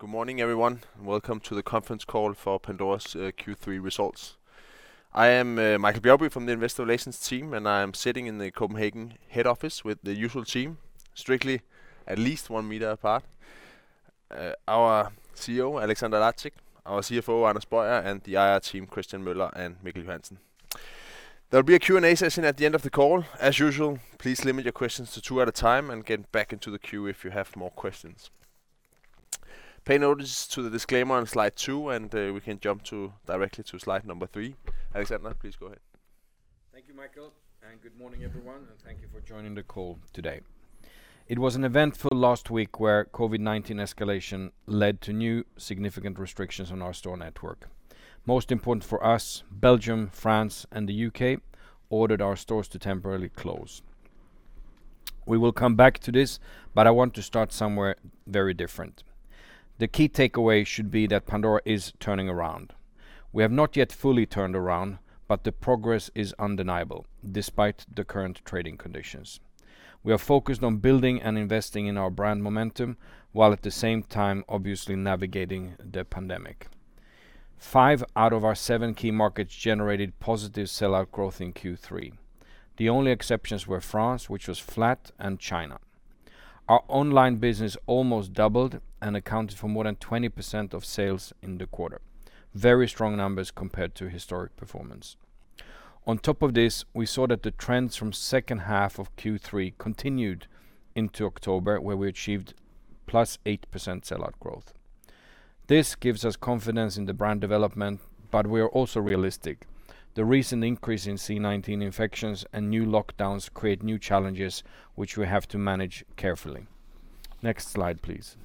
Good morning, everyone. Welcome to the conference call for Pandora's Q3 results. I am Michael Bjergby from the Investor Relations team, and I am sitting in the Copenhagen head office with the usual team, strictly at least 1 m apart. Our CEO, Alexander Lacik, our CFO, Anders Boyer, and the IR team, Christian Møller and Mikkel Hansen. There will be a Q&A session at the end of the call. As usual, please limit your questions to two at a time and get back into the queue if you have more questions. Pay notice to the disclaimer on slide two, and we can jump directly to slide number three. Alexander, please go ahead. Thank you, Michael, and good morning, everyone, and thank you for joining the call today. It was an eventful last week where COVID-19 escalation led to new significant restrictions on our store network. Most important for us, Belgium, France, and the U.K. ordered our stores to temporarily close. We will come back to this. I want to start somewhere very different. The key takeaway should be that Pandora is turning around. We have not yet fully turned around, but the progress is undeniable despite the current trading conditions. We are focused on building and investing in our brand momentum, while at the same time obviously navigating the pandemic. Five out of our seven key markets generated positive sell out growth in Q3. The only exceptions were France, which was flat, and China. Our online business almost doubled and accounted for more than 20% of sales in the quarter. Very strong numbers compared to historic performance. On top of this, we saw that the trends from second half of Q3 continued into October, where we achieved +8% sell out growth. This gives us confidence in the brand development, but we are also realistic. The recent increase in C-19 infections and new lockdowns create new challenges, which we have to manage carefully. Next slide, please.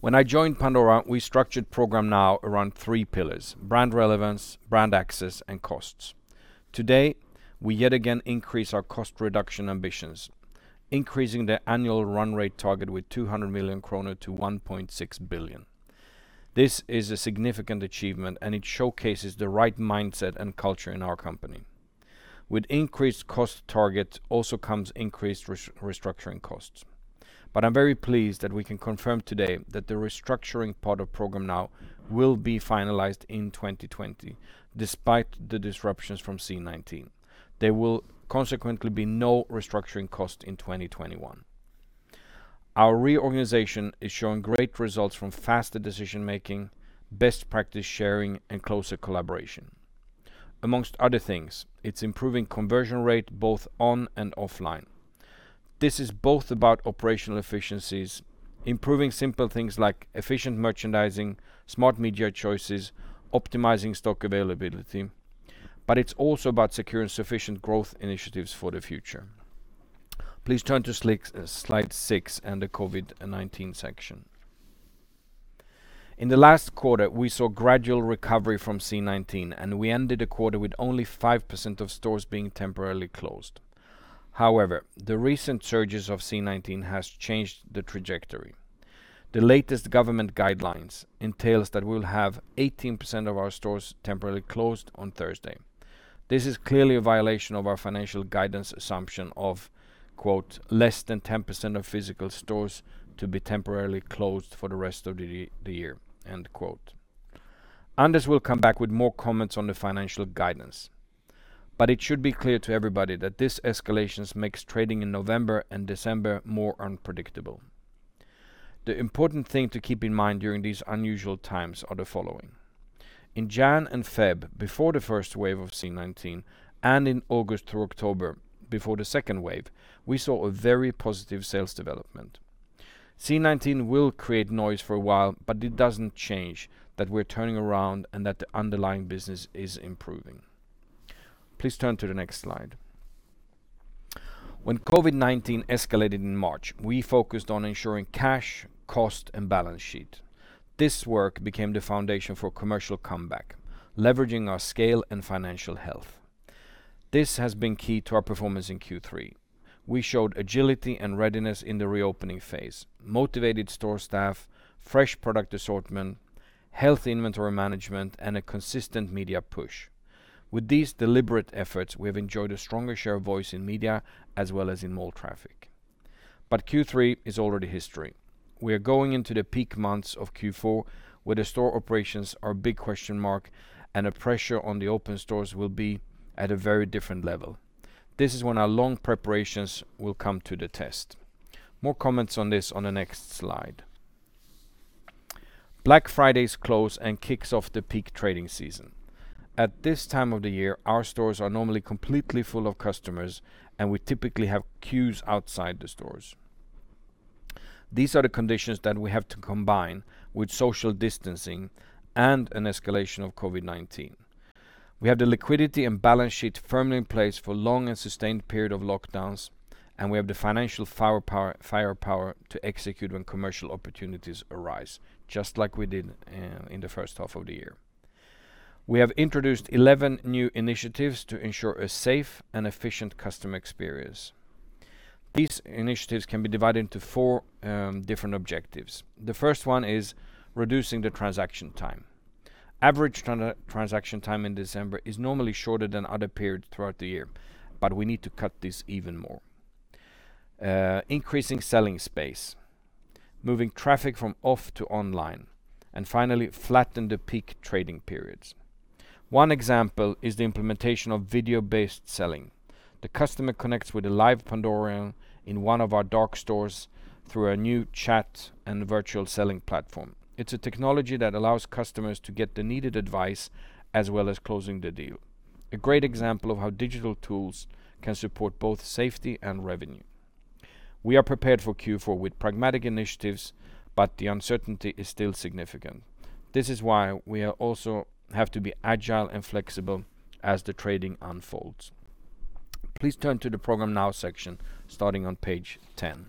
When I joined Pandora, we structured Programme NOW around three pillars: brand relevance, brand access, and costs. Today, we yet again increase our cost reduction ambitions, increasing the annual run rate target with 200 million kroner to 1.6 billion. This is a significant achievement, and it showcases the right mindset and culture in our company. With increased cost targets also comes increased restructuring costs. I'm very pleased that we can confirm today that the restructuring part of Programme NOW will be finalized in 2020, despite the disruptions from C-19. There will consequently be no restructuring cost in 2021. Our reorganization is showing great results from faster decision making, best practice sharing, and closer collaboration. Among other things, it's improving conversion rate both on and offline. This is both about operational efficiencies, improving simple things like efficient merchandising, smart media choices, optimizing stock availability, but it's also about securing sufficient growth initiatives for the future. Please turn to slide six and the COVID-19 section. In the last quarter, we saw gradual recovery from C-19, and we ended the quarter with only 5% of stores being temporarily closed. The recent surges of C-19 has changed the trajectory. The latest government guidelines entails that we will have 18% of our stores temporarily closed on Thursday. This is clearly a violation of our financial guidance assumption of, quote, "less than 10% of physical stores to be temporarily closed for the rest of the year," end quote. Anders will come back with more comments on the financial guidance. It should be clear to everybody that these escalations makes trading in November and December more unpredictable. The important thing to keep in mind during these unusual times are the following. In January and February, before the first wave of C-19, and in August through October, before the second wave, we saw a very positive sales development. C-19 will create noise for a while, it doesn't change that we're turning around and that the underlying business is improving. Please turn to the next slide. When COVID-19 escalated in March, we focused on ensuring cash, cost, and balance sheet. This work became the foundation for a commercial comeback, leveraging our scale and financial health. This has been key to our performance in Q3. We showed agility and readiness in the re-opening phase, motivated store staff, fresh product assortment, healthy inventory management, and a consistent media push. With these deliberate efforts, we have enjoyed a stronger share of voice in media as well as in mall traffic. Q3 is already history. We are going into the peak months of Q4, where the store operations are a big question mark and a pressure on the open stores will be at a very different level. This is when our long preparations will come to the test. More comments on this on the next slide. Black Friday is close and kicks off the peak trading season. At this time of the year, our stores are normally completely full of customers, and we typically have queues outside the stores. These are the conditions that we have to combine with social distancing and an escalation of COVID-19. We have the liquidity and balance sheet firmly in place for long and sustained period of lockdowns, and we have the financial firepower to execute when commercial opportunities arise, just like we did in the first half of the year. We have introduced 11 new initiatives to ensure a safe and efficient customer experience. These initiatives can be divided into four different objectives. The first one is reducing the transaction time. Average transaction time in December is normally shorter than other periods throughout the year, but we need to cut this even more. Increasing selling space, moving traffic from off to online, and finally, flatten the peak trading periods. One example is the implementation of video-based selling. The customer connects with a live Pandorian in one of our dark stores through a new chat and virtual selling platform. It's a technology that allows customers to get the needed advice as well as closing the deal. A great example of how digital tools can support both safety and revenue. We are prepared for Q4 with pragmatic initiatives, the uncertainty is still significant. This is why we also have to be agile and flexible as the trading unfolds. Please turn to the Programme NOW section starting on page 10.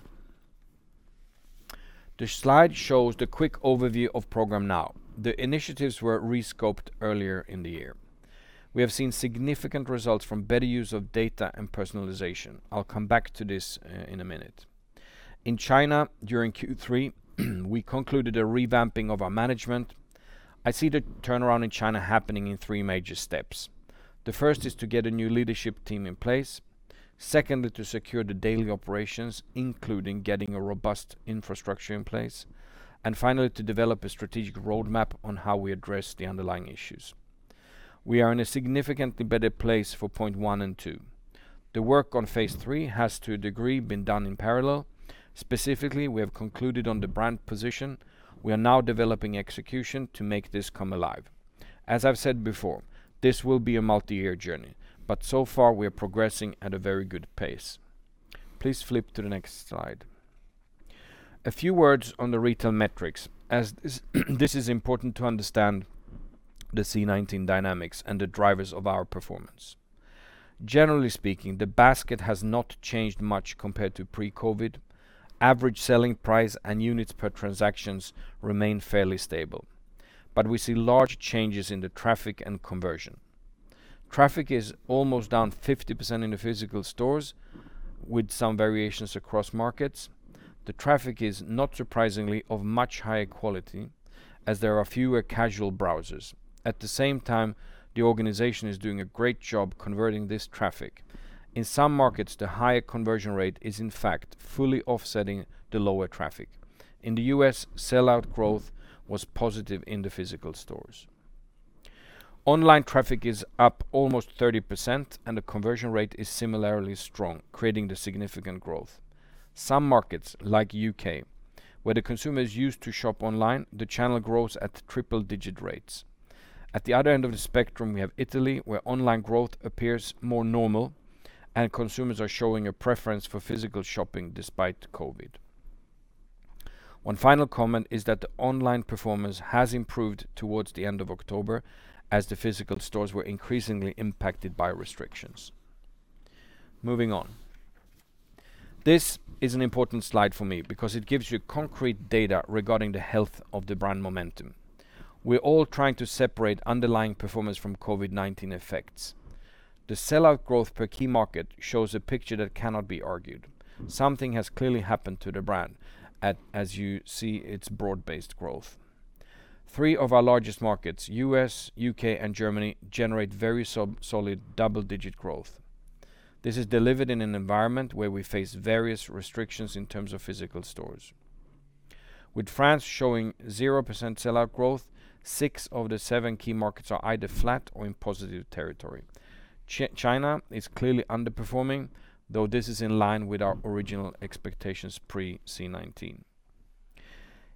The slide shows the quick overview of Programme NOW. The initiatives were rescoped earlier in the year. We have seen significant results from better use of data and personalization. I'll come back to this in a minute. In China, during Q3, we concluded a revamping of our management. I see the turnaround in China happening in three major steps. The first is to get a new leadership team in place. Secondly, to secure the daily operations, including getting a robust infrastructure in place. Finally, to develop a strategic roadmap on how we address the underlying issues. We are in a significantly better place for point one and two. The work on phase III has to a degree been done in parallel. Specifically, we have concluded on the brand position. We are now developing execution to make this come alive. As I've said before, this will be a multi-year journey, but so far, we are progressing at a very good pace. Please flip to the next slide. A few words on the retail metrics, as this is important to understand the C-19 dynamics and the drivers of our performance. Generally speaking, the basket has not changed much compared to pre-COVID. Average selling price and units per transactions remain fairly stable, but we see large changes in the traffic and conversion. Traffic is almost down 50% in the physical stores, with some variations across markets. The traffic is not surprisingly of much higher quality as there are fewer casual browsers. At the same time, the organization is doing a great job converting this traffic. In some markets, the higher conversion rate is in fact fully offsetting the lower traffic. In the U.S., sell out growth was positive in the physical stores. Online traffic is up almost 30% and the conversion rate is similarly strong, creating the significant growth. Some markets like U.K., where the consumer is used to shop online, the channel grows at triple digit rates. At the other end of the spectrum, we have Italy, where online growth appears more normal and consumers are showing a preference for physical shopping despite COVID. One final comment is that online performance has improved towards the end of October as the physical stores were increasingly impacted by restrictions. Moving on. This is an important slide for me because it gives you concrete data regarding the health of the brand momentum. We're all trying to separate underlying performance from COVID-19 effects. The sell out growth per key market shows a picture that cannot be argued. Something has clearly happened to the brand as you see its broad-based growth. Three of our largest markets, U.S., U.K., and Germany, generate very solid double-digit growth. This is delivered in an environment where we face various restrictions in terms of physical stores. With France showing 0% sell out growth, six of the seven key markets are either flat or in positive territory. China is clearly underperforming, though this is in line with our original expectations pre-C-19.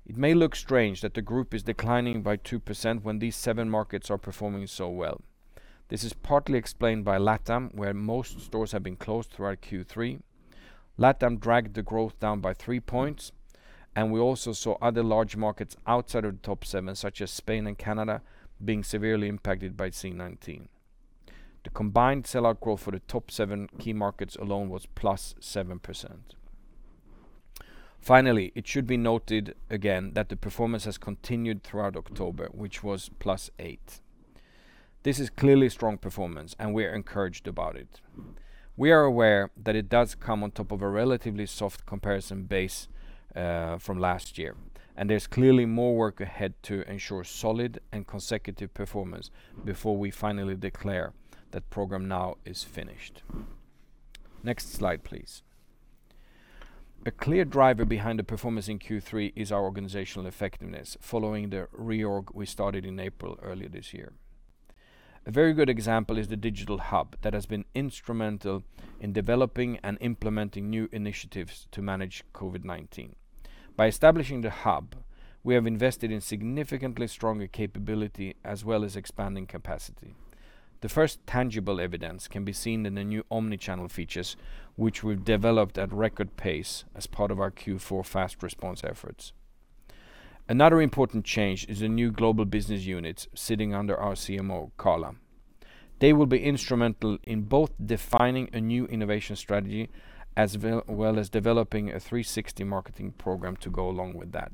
It may look strange that the group is declining by 2% when these seven markets are performing so well. This is partly explained by LATAM, where most stores have been closed throughout Q3. LATAM dragged the growth down by three points, and we also saw other large markets outside of the top seven, such as Spain and Canada, being severely impacted by C-19. The combined sell out growth for the top seven key markets alone was plus 7%. Finally, it should be noted again that the performance has continued throughout October, which was plus eight. This is clearly strong performance and we are encouraged about it. We are aware that it does come on top of a relatively soft comparison base from last year. There's clearly more work ahead to ensure solid and consecutive performance before we finally declare that Programme NOW is finished. Next slide, please. A clear driver behind the performance in Q3 is our organizational effectiveness following the re-org we started in April earlier this year. A very good example is the digital hub that has been instrumental in developing and implementing new initiatives to manage COVID-19. By establishing the hub, we have invested in significantly stronger capability as well as expanding capacity. The first tangible evidence can be seen in the new omni-channel features, which we've developed at record pace as part of our Q4 fast response efforts. Another important change is the new global business units sitting under our CMO, Carla. They will be instrumental in both defining a new innovation strategy as well as developing a 360 marketing program to go along with that.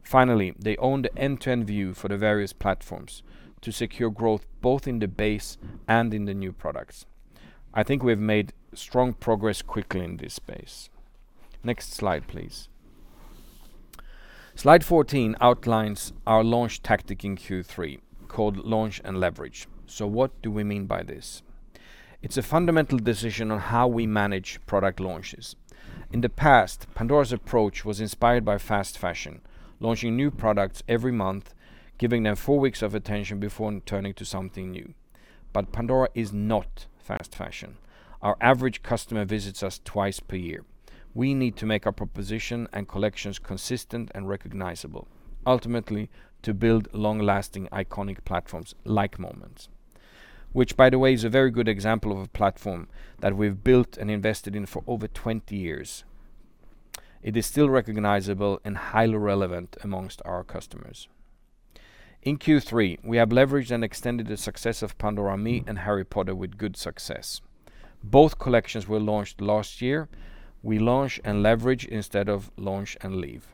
Finally, they own the end-to-end view for the various platforms to secure growth both in the base and in the new products. I think we've made strong progress quickly in this space. Next slide, please. Slide 14 outlines our launch tactic in Q3 called Launch and Leverage. What do we mean by this? It's a fundamental decision on how we manage product launches. In the past, Pandora's approach was inspired by fast fashion, launching new products every month, giving them four weeks of attention before turning to something new. Pandora is not fast fashion. Our average customer visits us twice per year. We need to make our proposition and collections consistent and recognizable, ultimately to build long-lasting, iconic platforms like Moments, which, by the way, is a very good example of a platform that we've built and invested in for over 20 years. It is still recognizable and highly relevant amongst our customers. In Q3, we have leveraged and extended the success of Pandora ME and Harry Potter with good success. Both collections were launched last year. We Launch and Leverage instead of launch and leave.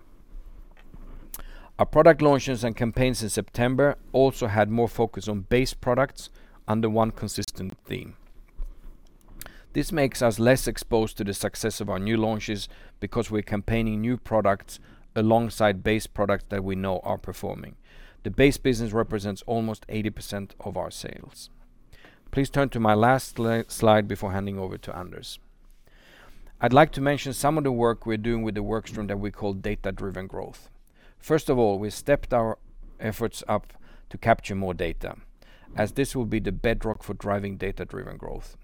Our product launches and campaigns in September also had more focus on base products under one consistent theme. This makes us less exposed to the success of our new launches because we're campaigning new products alongside base products that we know are performing. The base business represents almost 80% of our sales. Please turn to my last slide before handing over to Anders. I'd like to mention some of the work we're doing with the workstream that we call data-driven growth. First of all, we stepped our efforts up to capture more data, as this will be the bedrock for driving data-driven growth.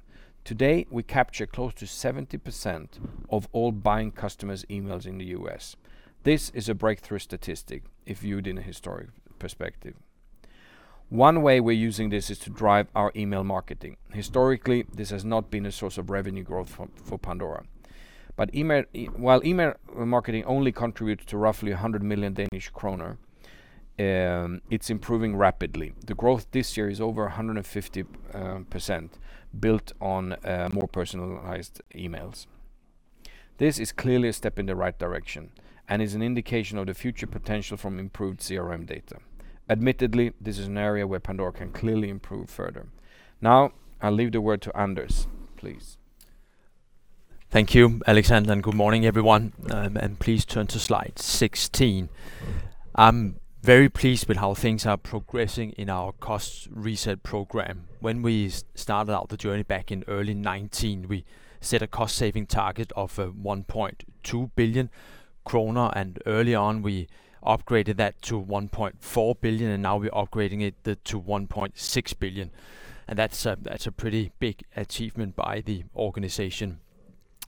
Today, we capture close to 70% of all buying customers' emails in the U.S. This is a breakthrough statistic if viewed in a historic perspective. One way we're using this is to drive our email marketing. Historically, this has not been a source of revenue growth for Pandora. While email marketing only contributes to roughly 100 million Danish kroner, it's improving rapidly. The growth this year is over 150% built on more personalized emails. This is clearly a step in the right direction and is an indication of the future potential from improved CRM data. Admittedly, this is an area where Pandora can clearly improve further. Now, I'll leave the word to Anders, please. Thank you, Alexander, and good morning, everyone. Please turn to slide 16. I'm very pleased with how things are progressing in our cost reset program. When we started out the journey back in early 2019, we set a cost-saving target of 1.2 billion kroner, early on, we upgraded that to 1.4 billion, now we're upgrading it to 1.6 billion. That's a pretty big achievement by the organization.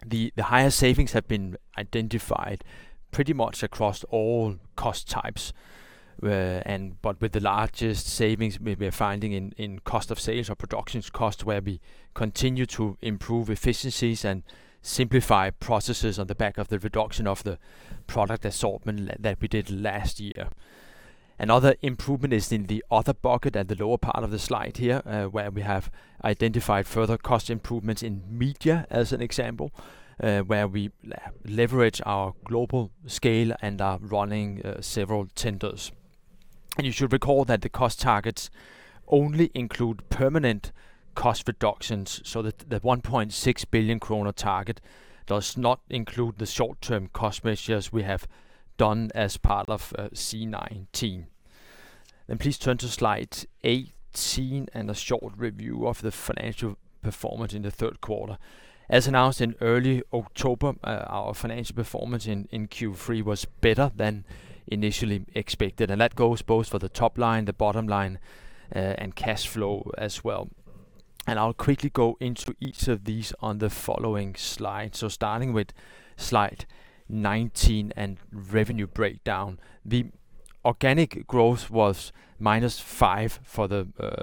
The higher savings have been identified pretty much across all cost types, but with the largest savings we're finding in cost of sales or productions cost, where we continue to improve efficiencies and simplify processes on the back of the reduction of the product assortment that we did last year. Another improvement is in the other bucket at the lower part of the slide here, where we have identified further cost improvements in media as an example, where we leverage our global scale and are running several tenders. You should recall that the cost targets only include permanent cost reductions so that the 1.6 billion kroner target does not include the short-term cost measures we have done as part of C-19. Please turn to slide 18 and a short review of the financial performance in the third quarter. As announced in early October, our financial performance in Q3 was better than initially expected, and that goes both for the top line, the bottom line, and cash flow as well. I'll quickly go into each of these on the following slide. Starting with slide 19 and revenue breakdown. The organic growth was -5%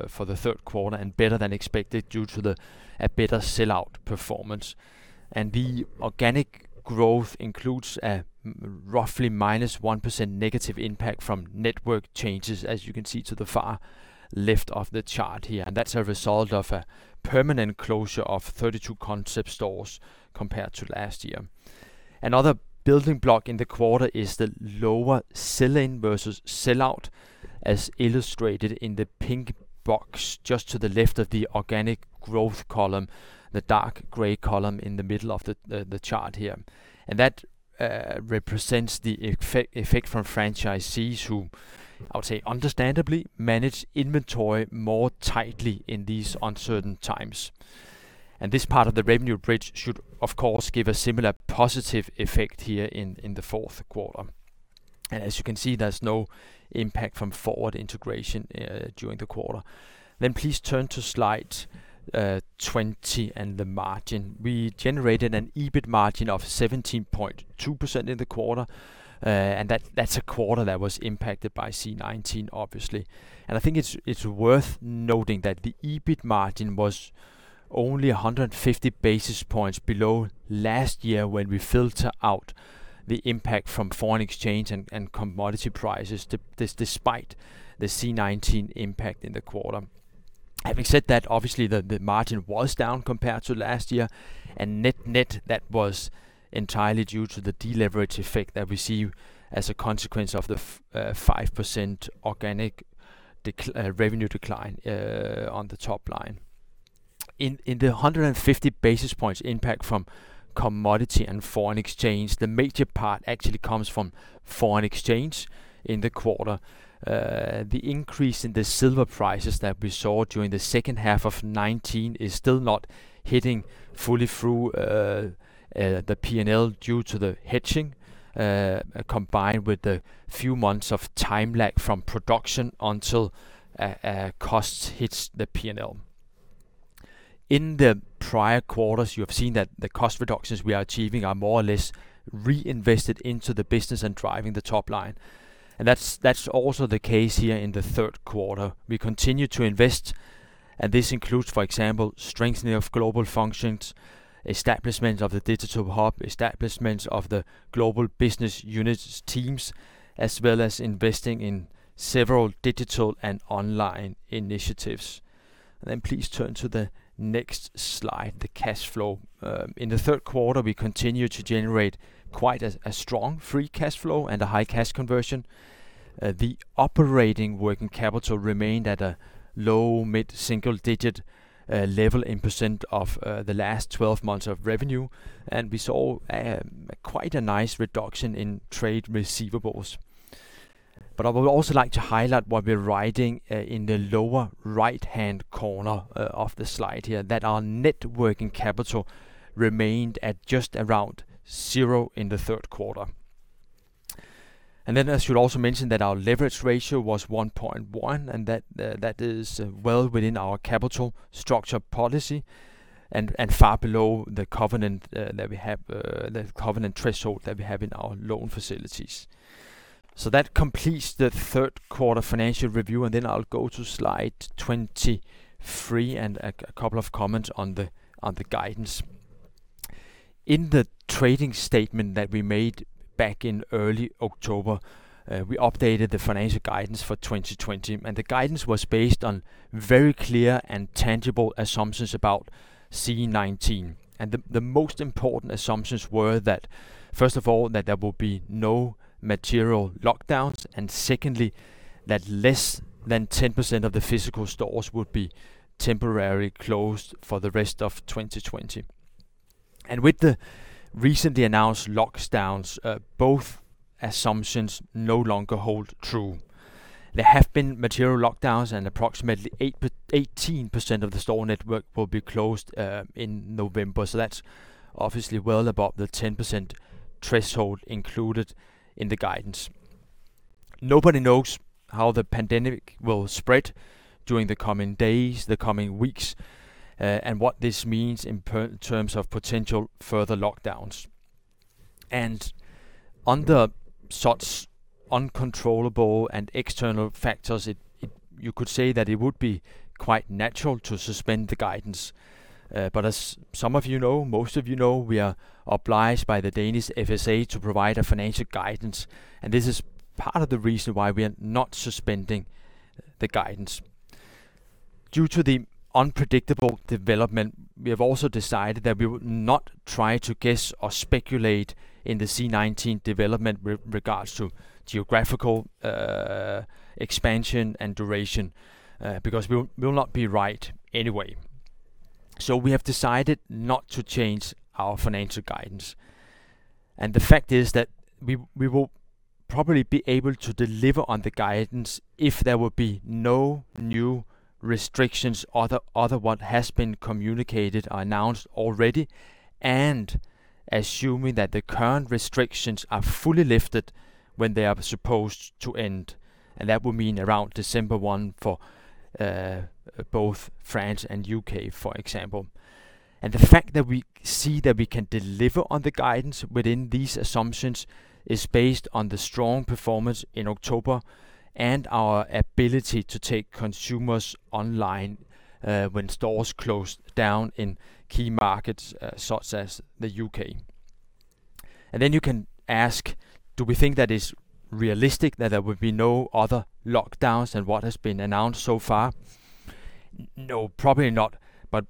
for the third quarter and better than expected due to the better sellout performance. The organic growth includes a roughly -1% negative impact from network changes, as you can see to the far left of the chart here, and that's a result of a permanent closure of 32 concept stores compared to last year. Another building block in the quarter is the lower sell-in versus sellout, as illustrated in the pink box just to the left of the organic growth column, the dark gray column in the middle of the chart here. That represents the effect from franchisees who, I would say understandably, manage inventory more tightly in these uncertain times. This part of the revenue bridge should, of course, give a similar positive effect here in the fourth quarter. As you can see, there is no impact from forward integration during the quarter. Please turn to slide 20 and the margin. We generated an EBIT margin of 17.2% in the quarter, and that is a quarter that was impacted by C-19, obviously. I think it is worth noting that the EBIT margin was only 150 basis points below last year when we filter out the impact from foreign exchange and commodity prices, despite the C-19 impact in the quarter. Having said that, obviously, the margin was down compared to last year. Net, that was entirely due to the deleverage effect that we see as a consequence of the 5% organic revenue decline on the top line. The 150 basis points impact from commodity and foreign exchange, the major part actually comes from foreign exchange in the quarter. The increase in the silver prices that we saw during the second half of 2019 is still not hitting fully through the P&L due to the hedging, combined with the few months of time lag from production until cost hits the P&L. In the prior quarters, you have seen that the cost reductions we are achieving are more or less reinvested into the business and driving the top line. That's also the case here in the third quarter. We continue to invest, this includes, for example, strengthening of global functions, establishment of the digital hub, establishment of the global business units teams, as well as investing in several digital and online initiatives. Please turn to the next slide, the cash flow. In the third quarter, we continued to generate quite a strong free cash flow and a high cash conversion. The operating working capital remained at a low mid-single digit level in percent of the last 12 months of revenue. We saw quite a nice reduction in trade receivables. I would also like to highlight what we're writing in the lower right-hand corner of the slide here, that our net working capital remained at just around zero in the third quarter. I should also mention that our leverage ratio was 1.1. That is well within our capital structure policy and far below the covenant threshold that we have in our loan facilities. That completes the third quarter financial review. Then I'll go to slide 23 and a couple of comments on the guidance. In the trading statement that we made back in early October, we updated the financial guidance for 2020. The guidance was based on very clear and tangible assumptions about C-19. The most important assumptions were that, first of all, that there will be no material lockdowns, and secondly, that less than 10% of the physical stores would be temporarily closed for the rest of 2020. With the recently announced lockdowns, both assumptions no longer hold true. There have been material lockdowns. Approximately 18% of the store network will be closed in November. That's obviously well above the 10% threshold included in the guidance. Nobody knows how the pandemic will spread during the coming days, the coming weeks, and what this means in terms of potential further lockdowns. Under such uncontrollable and external factors, you could say that it would be quite natural to suspend the guidance. As some of you know, most of you know, we are obliged by the Danish FSA to provide a financial guidance, and this is part of the reason why we are not suspending the guidance. Due to the unpredictable development, we have also decided that we would not try to guess or speculate in the C-19 development with regards to geographical expansion and duration, because we will not be right anyway. We have decided not to change our financial guidance. The fact is that we will probably be able to deliver on the guidance if there will be no new restrictions other what has been communicated or announced already, and assuming that the current restrictions are fully lifted when they are supposed to end. That would mean around December 1 for both France and U.K., for example. The fact that we see that we can deliver on the guidance within these assumptions is based on the strong performance in October and our ability to take consumers online when stores closed down in key markets such as the U.K. You can ask, do we think that it's realistic that there will be no other lockdowns than what has been announced so far? No, probably not, but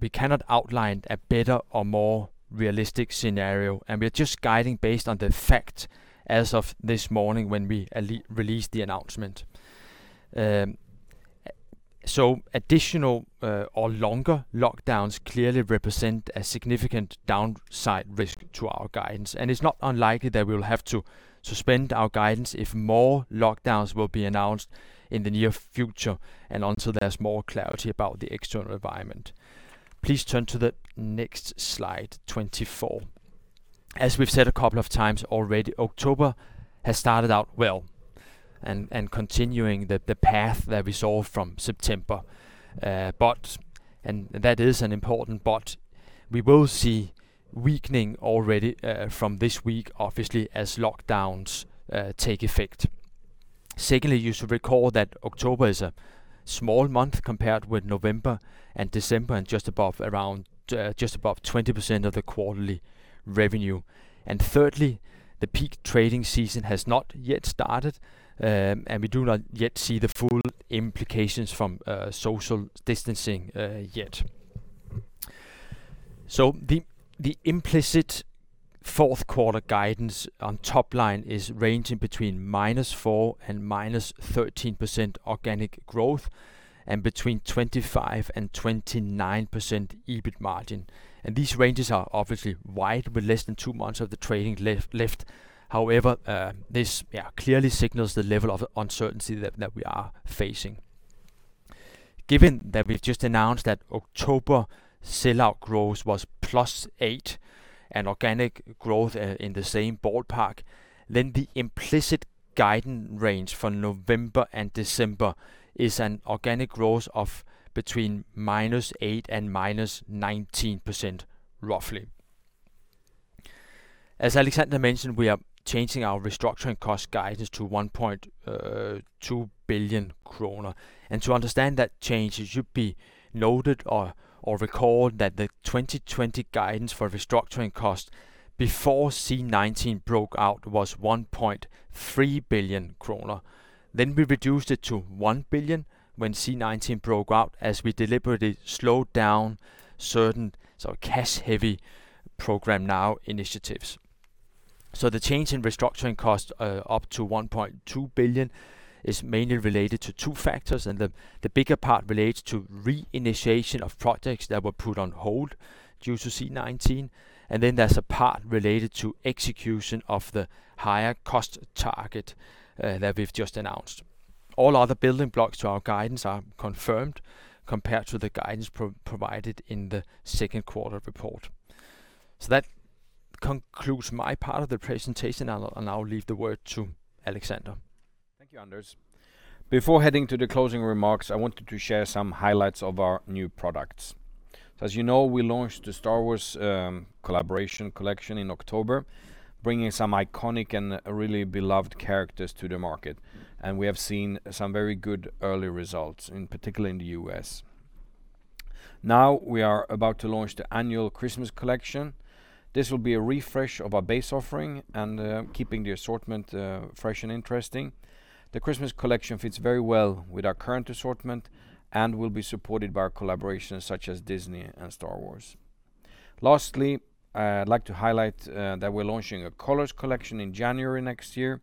we cannot outline a better or more realistic scenario. We are just guiding based on the fact as of this morning when we released the announcement. Additional or longer lockdowns clearly represent a significant downside risk to our guidance. It's not unlikely that we will have to suspend our guidance if more lockdowns will be announced in the near future, and until there's more clarity about the external environment. Please turn to the next slide 24. As we've said a couple of times already, October has started out well and continuing the path that we saw from September. That is an important but, we will see weakening already from this week, obviously, as lockdowns take effect. Secondly, you should recall that October is a small month compared with November and December, and just above 20% of the quarterly revenue. Thirdly, the peak trading season has not yet started, and we do not yet see the full implications from social distancing yet. The implicit fourth quarter guidance on top line is ranging between -4% and -13% organic growth and between 25% and 29% EBIT margin. These ranges are obviously wide with less than two months of the trading left. However, this clearly signals the level of uncertainty that we are facing. Given that we've just announced that October sell-out growth was +8% and organic growth in the same ballpark, the implicit guidance range for November and December is an organic growth of between -8% and -19%, roughly. As Alexander mentioned, we are changing our restructuring cost guidance to 1.2 billion kroner. To understand that change, it should be noted or recalled that the 2020 guidance for restructuring cost before C-19 broke out was 1.3 billion kroner. We reduced it to 1 billion when C-19 broke out, as we deliberately slowed down certain cash-heavy Programme NOW initiatives. The change in restructuring cost up to 1.2 billion is mainly related to two factors. The bigger part relates to reinitiation of projects that were put on hold due to C-19, and then there's a part related to execution of the higher cost target that we've just announced. All other building blocks to our guidance are confirmed compared to the guidance provided in the second quarter report. That concludes my part of the presentation. I'll now leave the word to Alexander. Thank you, Anders. Before heading to the closing remarks, I wanted to share some highlights of our new products. As you know, we launched the Star Wars collaboration collection in October, bringing some iconic and really beloved characters to the market, and we have seen some very good early results, in particular in the U.S. We are about to launch the annual Christmas collection. This will be a refresh of our base offering and keeping the assortment fresh and interesting. The Christmas collection fits very well with our current assortment and will be supported by our collaborations such as Disney and Star Wars. I'd like to highlight that we're launching a colors collection in January next year.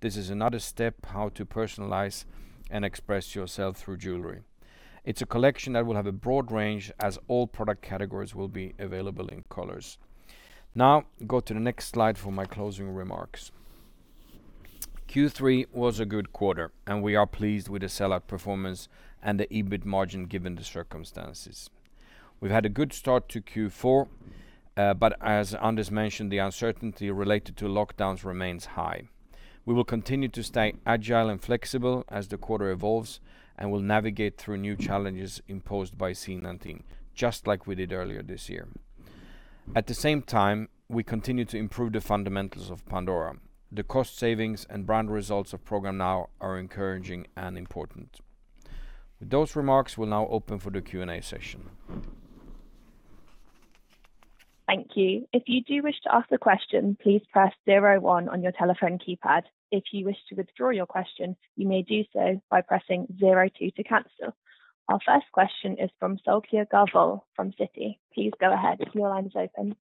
This is another step how to personalize and express yourself through jewelry. It's a collection that will have a broad range as all product categories will be available in colors. Go to the next slide for my closing remarks. Q3 was a good quarter, and we are pleased with the sell-out performance and the EBIT margin given the circumstances. We've had a good start to Q4, but as Anders mentioned, the uncertainty related to lockdowns remains high. We will continue to stay agile and flexible as the quarter evolves and will navigate through new challenges imposed by C-19, just like we did earlier this year. At the same time, we continue to improve the fundamentals of Pandora. The cost savings and brand results of Programme NOW are encouraging and important. With those remarks, we'll now open for the Q&A session. Thank you. If you do wish to ask a question, please press zero one on your telephone keypad. If you wish to withdraw your question, you may do so by pressing zero two to cancel. Our first question is from [Sylvia Garvell] from Citi. Please go ahead. Your line is open.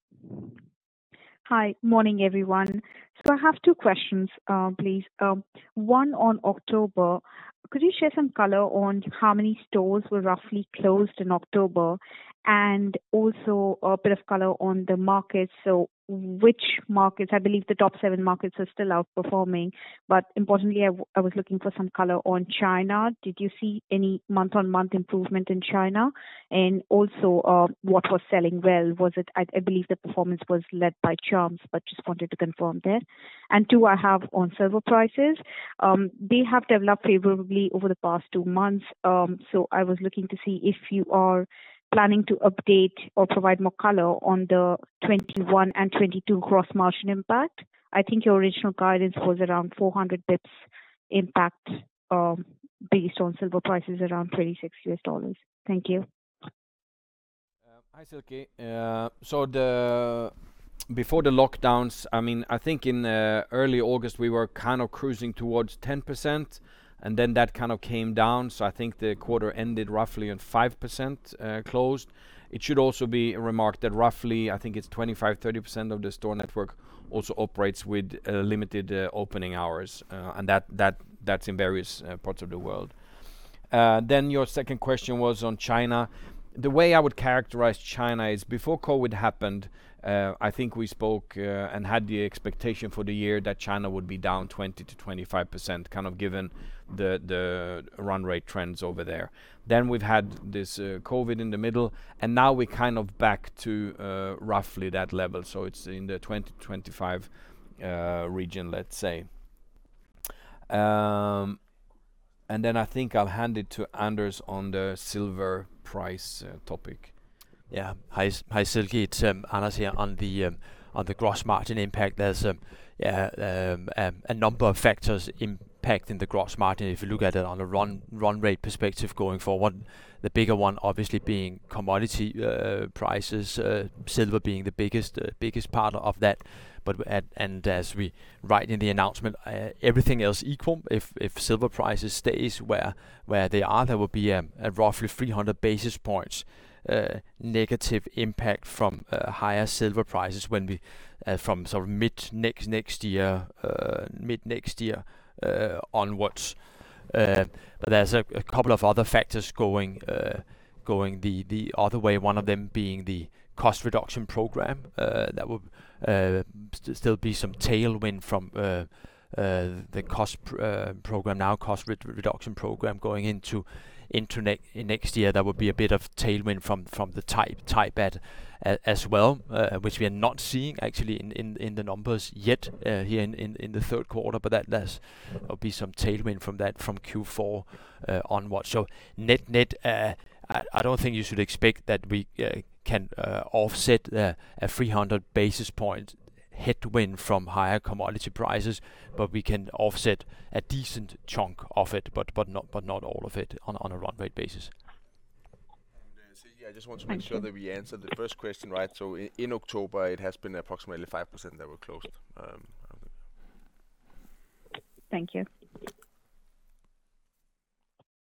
Hi. Morning, everyone. I have two questions, please. One on October. Could you share some color on how many stores were roughly closed in October? Also a bit of color on the markets. Which markets, I believe the top seven markets are still outperforming, but importantly, I was looking for some color on China. Did you see any month-on-month improvement in China? Also, what was selling well? I believe the performance was led by charms, but just wanted to confirm there. Two I have on silver prices. They have developed favorably over the past two months, I was looking to see if you are planning to update or provide more color on the 2021 and 2022 gross margin impact. I think your original guidance was around 400 basis points impact based on silver prices around $36. Thank you. Hi, [Silke]. Before the lockdowns, I think in early August, we were kind of cruising towards 10%, and then that kind of came down. I think the quarter ended roughly at 5% closed. It should also be remarked that roughly, I think it's 25%, 30% of the store network also operates with limited opening hours, and that's in various parts of the world. Your second question was on China. The way I would characterize China is before COVID happened, I think we spoke and had the expectation for the year that China would be down 20%-25%, kind of given the run rate trends over there. We've had this COVID in the middle, and now we're kind of back to roughly that level. It's in the 20%-25% region, let's say. I think I'll hand it to Anders on the silver price topic. Yeah. Hi, [Silke]. It's Anders here. On the gross margin impact, there's a number of factors impacting the gross margin. If you look at the run way perspective going forward. The bigger one obviously being commodity prices. Selling the biggest part of that and as we write in the announcement, everything else equal, if silver prices stays where they are, there will be a roughly 300 basis points negative impact from higher silver prices from sort of mid-next year onwards. There's a couple of other factors going the other way, one of them being the cost reduction program. That will still be some tailwind from the Programme NOW, cost reduction program going into next year. That would be a bit of tailwind from the Thai baht as well, which we are not seeing actually in the numbers yet here in the third quarter, but there'll be some tailwind from that from Q4 onwards. Net, I don't think you should expect that we can offset a 300 basis point headwind from higher commodity prices, but we can offset a decent chunk of it, but not all of it on a run rate basis. [Silke], I just want to make sure. Thank you. that we answer the first question right. In October it has been approximately 5% that were closed. Thank you.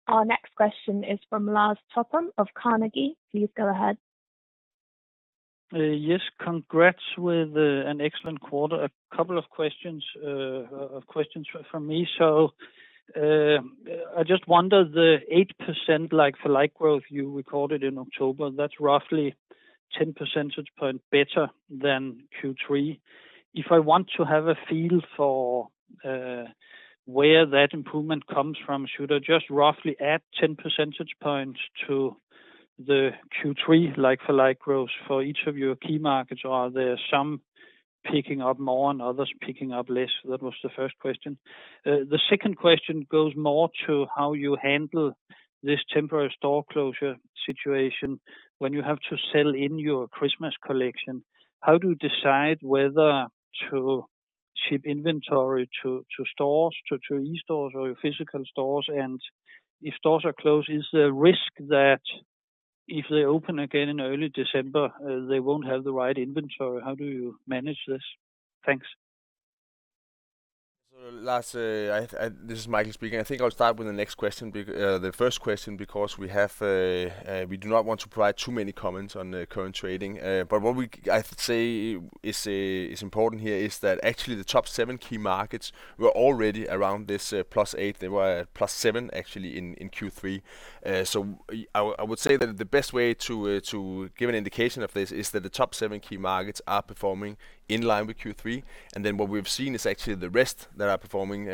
Our next question is from Lars Topholm of Carnegie. Please go ahead. Yes. Congrats with an excellent quarter. A couple of questions from me. I just wonder the 8% like-for-like growth you recorded in October, that's roughly 10 percentage point better than Q3. If I want to have a feel for where that improvement comes from, should I just roughly add 10 percentage points to the Q3 like-for-like growth for each of your key markets, or are there some picking up more and others picking up less? That was the first question. The second question goes more to how you handle this temporary store closure situation when you have to sell in your Christmas collection. How do you decide whether to ship inventory to stores, to e-stores or your physical stores? If stores are closed, is there a risk that if they open again in early December, they won't have the right inventory? How do you manage this? Thanks. Lars, this is Michael speaking. I think I'll start with the first question, because we do not want to provide too many comments on the current trading. What I'd say is important here is that actually the top seven key markets were already around this +8%. They were at +7% actually in Q3. I would say that the best way to give an indication of this is that the top seven key markets are performing in line with Q3. What we've seen is actually the rest that are performing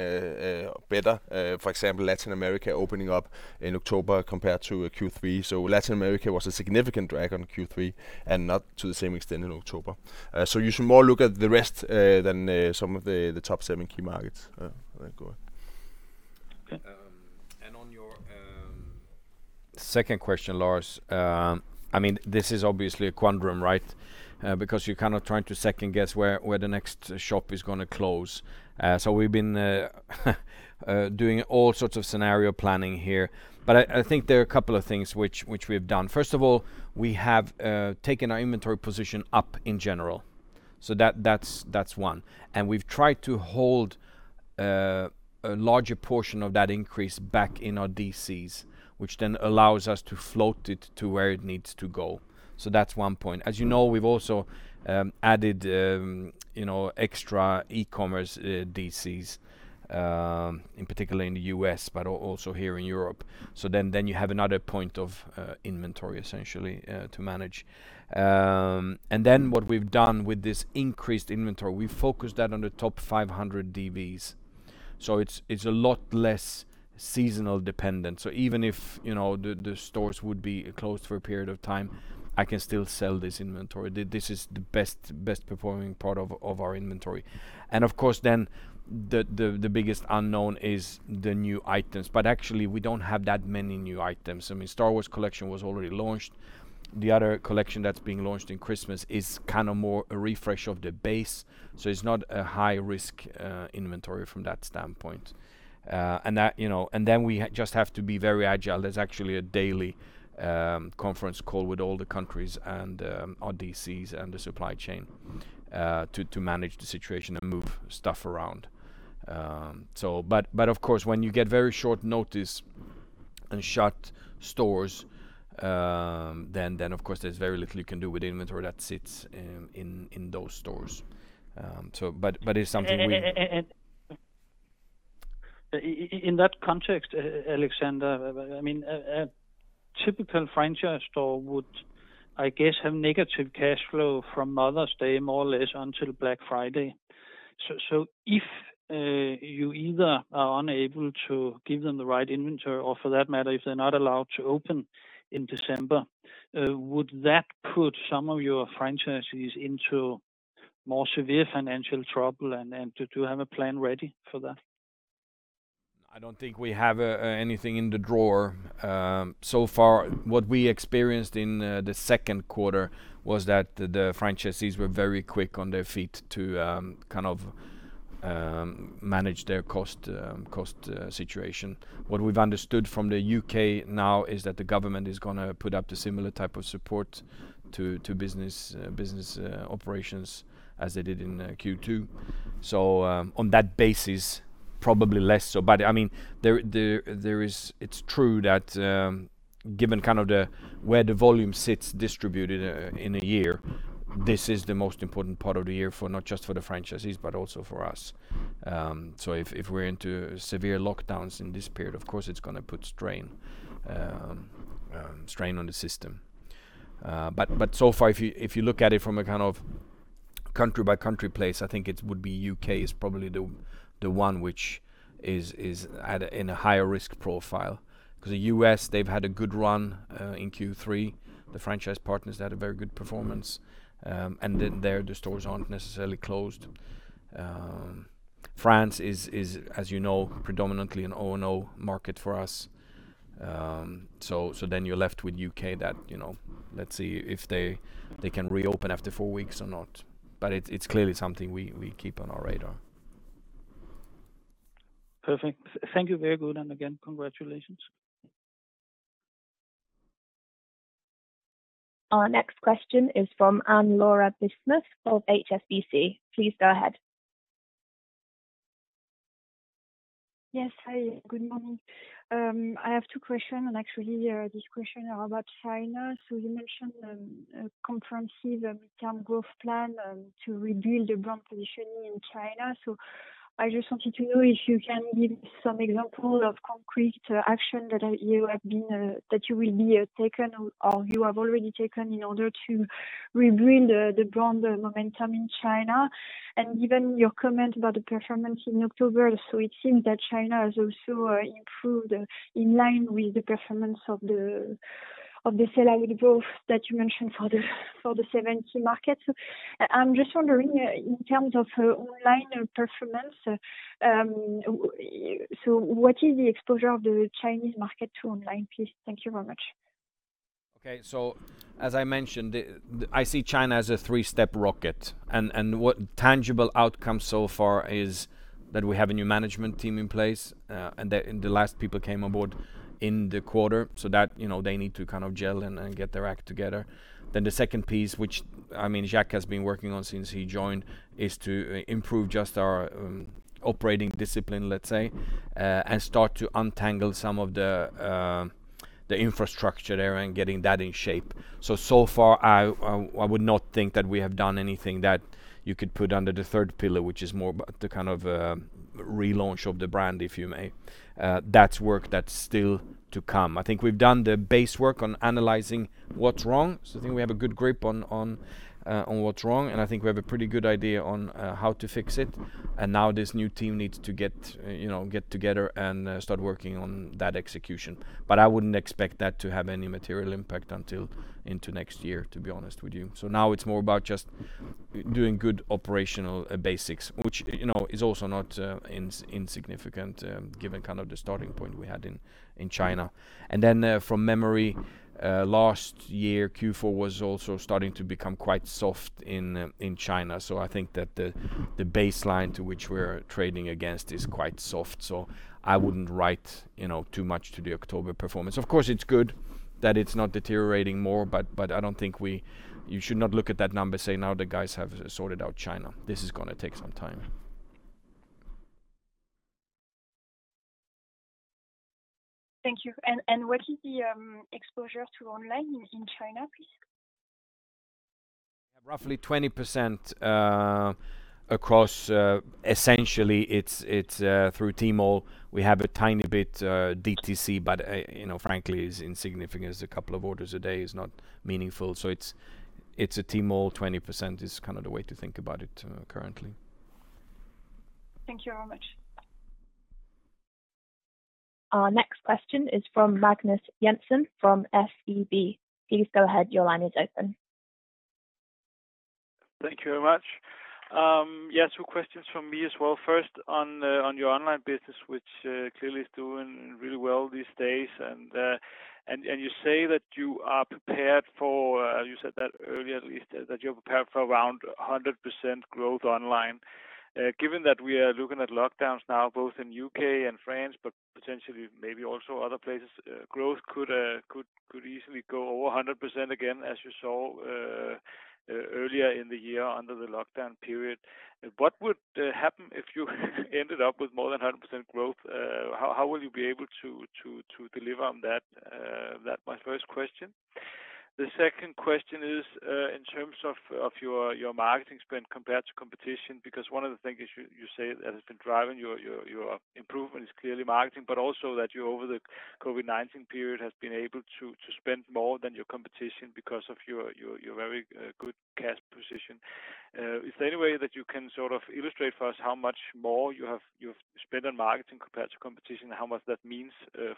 better. For example, Latin America opening up in October compared to Q3. Latin America was a significant drag on Q3, and not to the same extent in October. You should more look at the rest than some of the top seven key markets. Go ahead. On your second question, Lars, this is obviously a quandary, right? Because you're kind of trying to second guess where the next shop is going to close. We've been doing all sorts of scenario planning here, but I think there are a couple of things which we've done. First of all, we have taken our inventory position up in general, so that's one. We've tried to hold a larger portion of that increase back in our DCS, which then allows us to float it to where it needs to go. That's one point. As you know, we've also added extra e-commerce DCS, in particular in the U.S., but also here in Europe. You have another point of inventory essentially, to manage. What we've done with this increased inventory, we focused that on the top 500 DBS, so it's a lot less seasonal dependent. Even if the stores would be closed for a period of time, I can still sell this inventory. This is the best performing part of our inventory. Of course, the biggest unknown is the new items, but actually we don't have that many new items. Star Wars collection was already launched. The other collection that's being launched in Christmas is kind of more a refresh of the base, so it's not a high-risk inventory from that standpoint. We just have to be very agile. There's actually a daily conference call with all the countries and our DCS and the supply chain to manage the situation and move stuff around. Of course, when you get very short notice and shut stores, then of course there's very little you can do with inventory that sits in those stores. It's something we- In that context, Alexander, a typical franchise store would I guess have negative cash flow from Mother's Day more or less until Black Friday. If you either are unable to give them the right inventory or for that matter, if they're not allowed to open in December, would that put some of your franchisees into more severe financial trouble and do you have a plan ready for that? I don't think we have anything in the drawer. What we experienced in the second quarter was that the franchisees were very quick on their feet to manage their cost situation. What we've understood from the U.K. now is that the government is going to put up the similar type of support to business operations as they did in Q2. On that basis, probably less so. It's true that given where the volume sits distributed in a year, this is the most important part of the year, not just for the franchisees, but also for us. If we're into severe lockdowns in this period, of course it's going to put strain on the system. So far, if you look at it from a country by country place, I think it would be U.K. is probably the one which is in a higher risk profile. The U.S., they've had a good run, in Q3. The franchise partners had a very good performance. There, the stores aren't necessarily closed. France is, as you know, predominantly an O&O market for us. You're left with U.K. that, let's see if they can reopen after four weeks or not. It's clearly something we keep on our radar. Perfect. Thank you. Very good. Again, congratulations. Our next question is from Anne-Laure Bismuth of HSBC. Please go ahead. Yes. Hi, good morning. I have two question, and actually, these question are about China. You mentioned a comprehensive midterm growth plan to rebuild the brand positioning in China. I just wanted to know if you can give some example of concrete action that you will be taken or you have already taken in order to rebuild the brand momentum in China. Given your comment about the performance in October, so it seems that China has also improved in line with the performance of the sell-out growth that you mentioned for the seven key markets. I'm just wondering, in terms of online performance, so what is the exposure of the Chinese market to online, please? Thank you very much. As I mentioned, I see China as a three-step rocket, and what tangible outcome so far is that we have a new management team in place, and the last people came aboard in the quarter so that they need to gel and get their act together. The second piece, which Jacques has been working on since he joined, is to improve just our operating discipline, let's say, and start to untangle some of the infrastructure there and getting that in shape. So far, I would not think that we have done anything that you could put under the third pillar, which is more about the kind of relaunch of the brand, if you may. That's work that's still to come. I think we've done the base work on analyzing what's wrong. I think we have a good grip on what's wrong, and I think we have a pretty good idea on how to fix it. Now this new team needs to get together and start working on that execution. I wouldn't expect that to have any material impact until into next year, to be honest with you. Now it's more about just doing good operational basics, which is also not insignificant, given kind of the starting point we had in China. From memory, last year, Q4 was also starting to become quite soft in China. I think that the baseline to which we're trading against is quite soft. I wouldn't write too much to the October performance. Of course, it's good that it's not deteriorating more, but I don't think you should not look at that number, say, now the guys have sorted out China. This is going to take some time. Thank you. What is the exposure to online in China, please? Roughly 20% across, essentially it's through Tmall. We have a tiny bit DTC, but frankly is insignificant, is a couple of orders a day, is not meaningful. It's a Tmall 20% is kind of the way to think about it currently. Thank you very much. Our next question is from Magnus Jensen from SEB. Please go ahead. Your line is open. Thank you very much. Yeah, two questions from me as well. First on your online business, which clearly is doing really well these days, and you say that you are prepared for, you said that earlier at least, that you're prepared for around 100% growth online. Given that we are looking at lockdowns now, both in U.K. and France, but potentially maybe also other places, growth could easily go over 100% again, as you saw earlier in the year under the lockdown period. What would happen if you ended up with more than 100% growth? How will you be able to deliver on that? That my first question. The second question is, in terms of your marketing spend compared to competition, because one of the things you say that has been driving your improvement is clearly marketing, but also that you, over the COVID-19 period, have been able to spend more than your competition because of your very good cash position. Is there any way that you can sort of illustrate for us how much more you have spent on marketing compared to competition and how much that means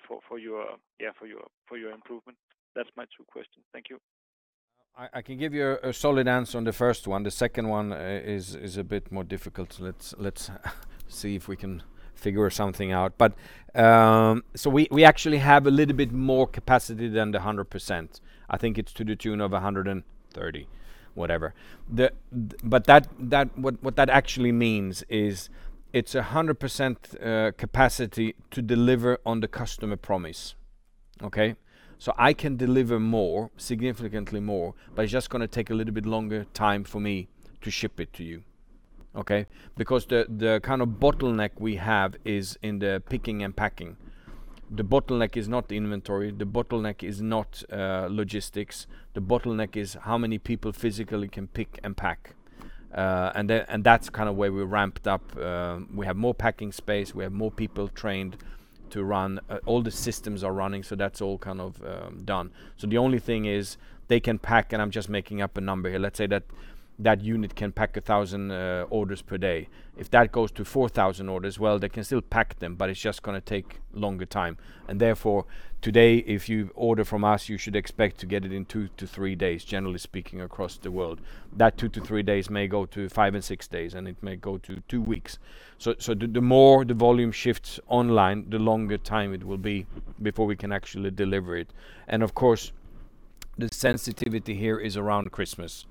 for your improvement? That's my two questions. Thank you. I can give you a solid answer on the first one. The second one is a bit more difficult. Let's see if we can figure something out. We actually have a little bit more capacity than the 100%. I think it's to the tune of 130%, whatever. What that actually means is it's 100% capacity to deliver on the customer promise. Okay. I can deliver more, significantly more, but it's just going to take a little bit longer time for me to ship it to you. Okay. Because the kind of bottleneck we have is in the picking and packing. The bottleneck is not the inventory, the bottleneck is not logistics. The bottleneck is how many people physically can pick and pack. That's kind of where we ramped up. We have more packing space, we have more people trained to run. All the systems are running, so that's all kind of done. The only thing is they can pack, and I'm just making up a number here, let's say that that unit can pack 1,000 orders per day. If that goes to 4,000 orders, well, they can still pack them, but it's just going to take longer time. Therefore, today if you order from us, you should expect to get it in two to three days, generally speaking, across the world. That two to three days may go to five to six days, and it may go to six weeks. The more the volume shifts online, the longer time it will be before we can actually deliver it. Of course, the sensitivity here is around Christmas,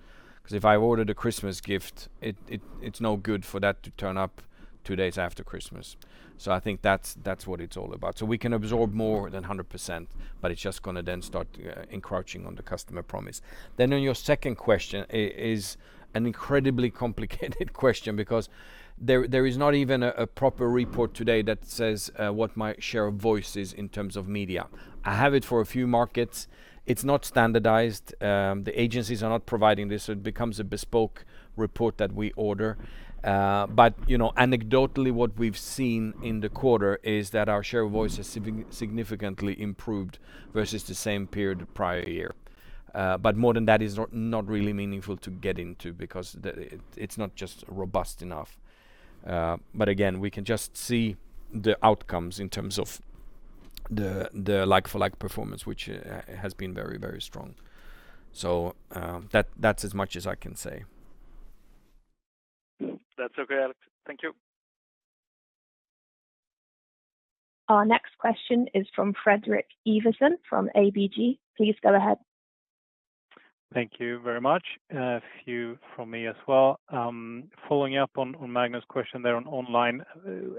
because if I ordered a Christmas gift, it's no good for that to turn up two days after Christmas. I think that's what it's all about. We can absorb more than 100%, but it's just going to then start encroaching on the customer promise. On your second question, is an incredibly complicated question because there is not even a proper report today that says what my share of voice is in terms of media. I have it for a few markets. It's not standardized. The agencies are not providing this, so it becomes a bespoke report that we order. Anecdotally, what we've seen in the quarter is that our share of voice has significantly improved versus the same period prior year. More than that is not really meaningful to get into because it's not just robust enough. Again, we can just see the outcomes in terms of the like for like performance, which has been very, very strong. That's as much as I can say. That's okay, Alex. Thank you. Our next question is from Fredrik Iversen from ABG. Please go ahead. Thank you very much. A few from me as well. Following up on Magnus' question there on online,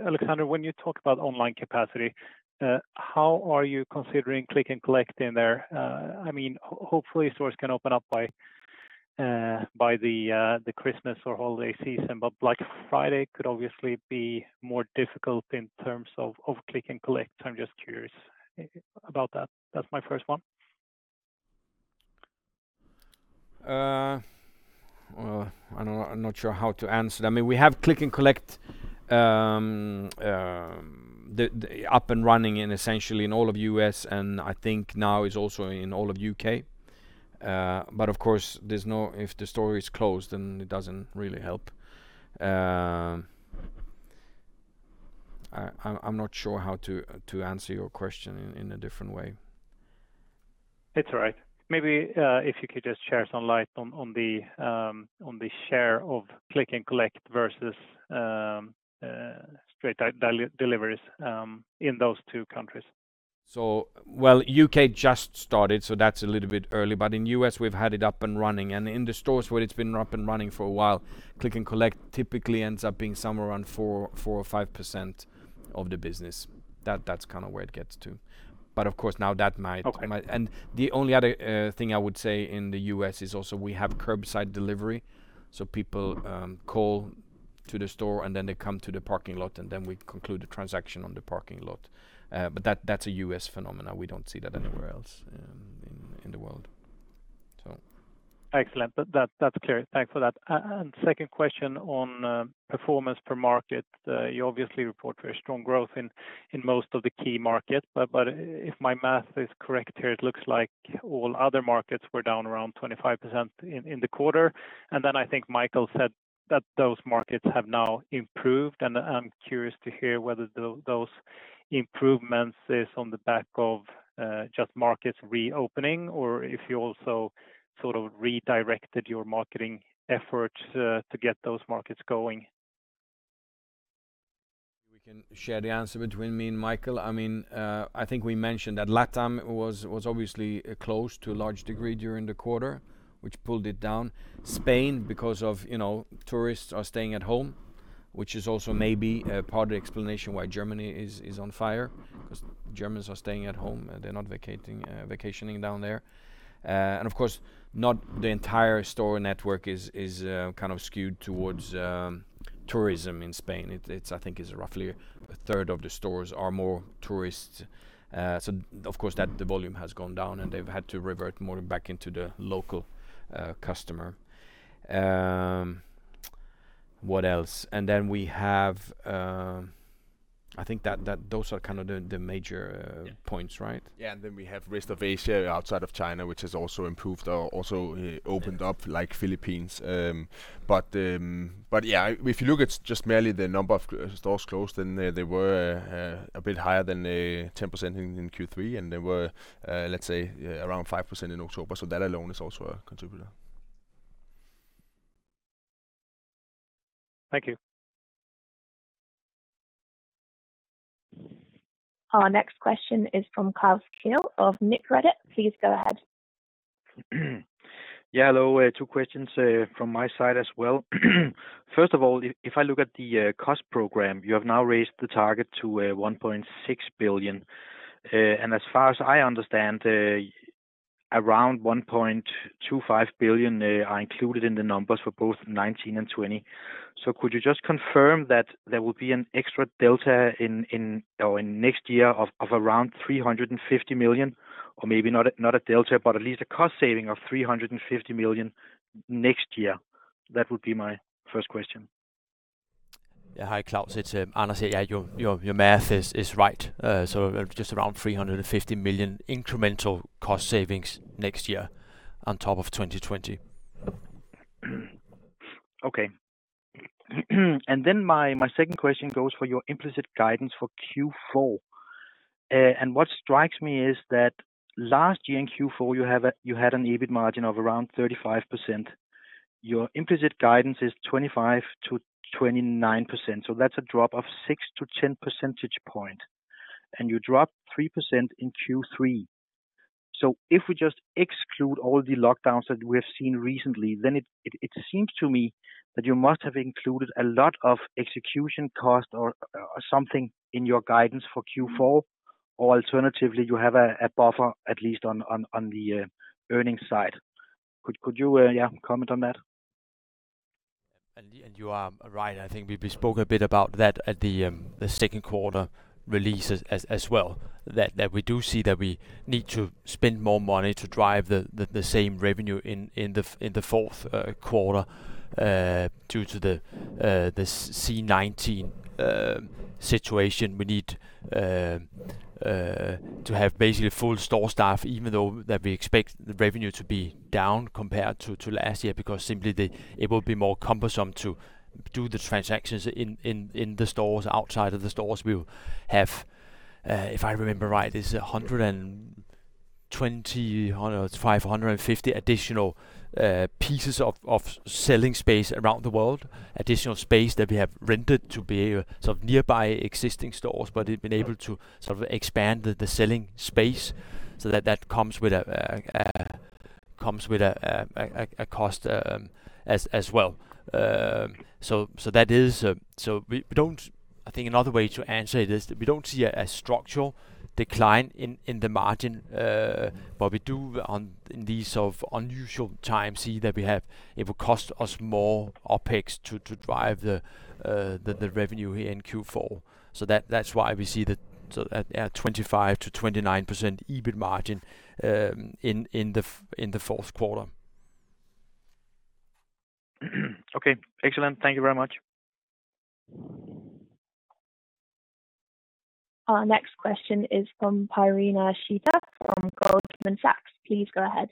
Alexander, when you talk about online capacity, how are you considering click and collect in there? Hopefully, stores can open up by the Christmas or holiday season, but Black Friday could obviously be more difficult in terms of click and collect. I'm just curious about that. That's my first one. Well, I'm not sure how to answer that. We have click and collect up and running in essentially in all of U.S. I think now is also in all of U.K. Of course, if the store is closed, then it doesn't really help. I'm not sure how to answer your question in a different way. It's all right. Maybe, if you could just share some light on the share of click and collect versus straight deliveries in those two countries. Well, U.K. just started, that's a little bit early. In U.S., we've had it up and running, in the stores where it's been up and running for a while, click and collect typically ends up being somewhere around 4% or 5% of the business. That's kind of where it gets to. Okay The only other thing I would say in the U.S. is also we have curbside delivery. People call to the store, and then they come to the parking lot, and then we conclude the transaction on the parking lot. That's a U.S. phenomenon. We don't see that anywhere else in the world. Excellent. That's clear. Thanks for that. Second question on performance per market. You obviously report very strong growth in most of the key markets. If my math is correct here, it looks like all other markets were down around 25% in the quarter. I think Michael said that those markets have now improved, and I am curious to hear whether those improvements is on the back of just markets reopening or if you also sort of redirected your marketing efforts to get those markets going. We can share the answer between me and Michael. I think we mentioned that LATAM was obviously close to a large degree during the quarter, which pulled it down. Spain, because of tourists are staying at home, which is also maybe a part of the explanation why Germany is on fire, because Germans are staying at home. They're not vacationing down there. Of course, not the entire store network is kind of skewed towards tourism in Spain. I think it's roughly a third of the stores are more tourists. Of course, the volume has gone down, and they've had to revert more back into the local customer. What else? We have I think those are kind of the major points, right? We have rest of Asia outside of China, which has also improved, also opened up like Philippines. If you look at just merely the number of stores closed, they were a bit higher than 10% in Q3, and they were, let's say, around 5% in October. That alone is also a contributor. Thank you. Our next question is from Klaus Kehl of Nykredit. Please go ahead. Yeah. Hello. Two questions from my side as well. First of all, if I look at the cost program, you have now raised the target to 1.6 billion. As far as I understand, around 1.25 billion are included in the numbers for both 2019 and 2020. Could you just confirm that there will be an extra delta in next year of around 350 million? Maybe not a delta, but at least a cost saving of 350 million next year. That would be my first question. Yeah. Hi, Klaus. It's Anders here. Yeah, your math is right. Just around 350 million incremental cost savings next year on top of 2020. Okay. My second question goes for your implicit guidance for Q4. What strikes me is that last year in Q4, you had an EBIT margin of around 35%. Your implicit guidance is 25%-29%. That's a drop of six to 10 percentage point, and you dropped 3% in Q3. If we just exclude all the lockdowns that we have seen recently, then it seems to me that you must have included a lot of execution cost or something in your guidance for Q4. Alternatively, you have a buffer at least on the earnings side. Could you, yeah, comment on that? You are right. I think we spoke a bit about that at the second quarter release as well, that we do see that we need to spend more money to drive the same revenue in the fourth quarter due to the C-19 situation. We need to have basically full store staff, even though that we expect the revenue to be down compared to last year, because simply it will be more cumbersome to do the transactions in the stores. Outside of the stores, we will have, if I remember right, it's 120 or 550 additional pieces of selling space around the world, additional space that we have rented to be sort of nearby existing stores, but we've been able to sort of expand the selling space so that comes with a cost as well. I think another way to answer it is we don't see a structural decline in the margin. We do, in these sort of unusual times, see that it will cost us more OpEx to drive the revenue here in Q4. That's why we see that 25%-29% EBIT margin in the fourth quarter. Okay. Excellent. Thank you very much. Our next question is from [Piral Dadhania from Goldman Sachs]. Please go ahead.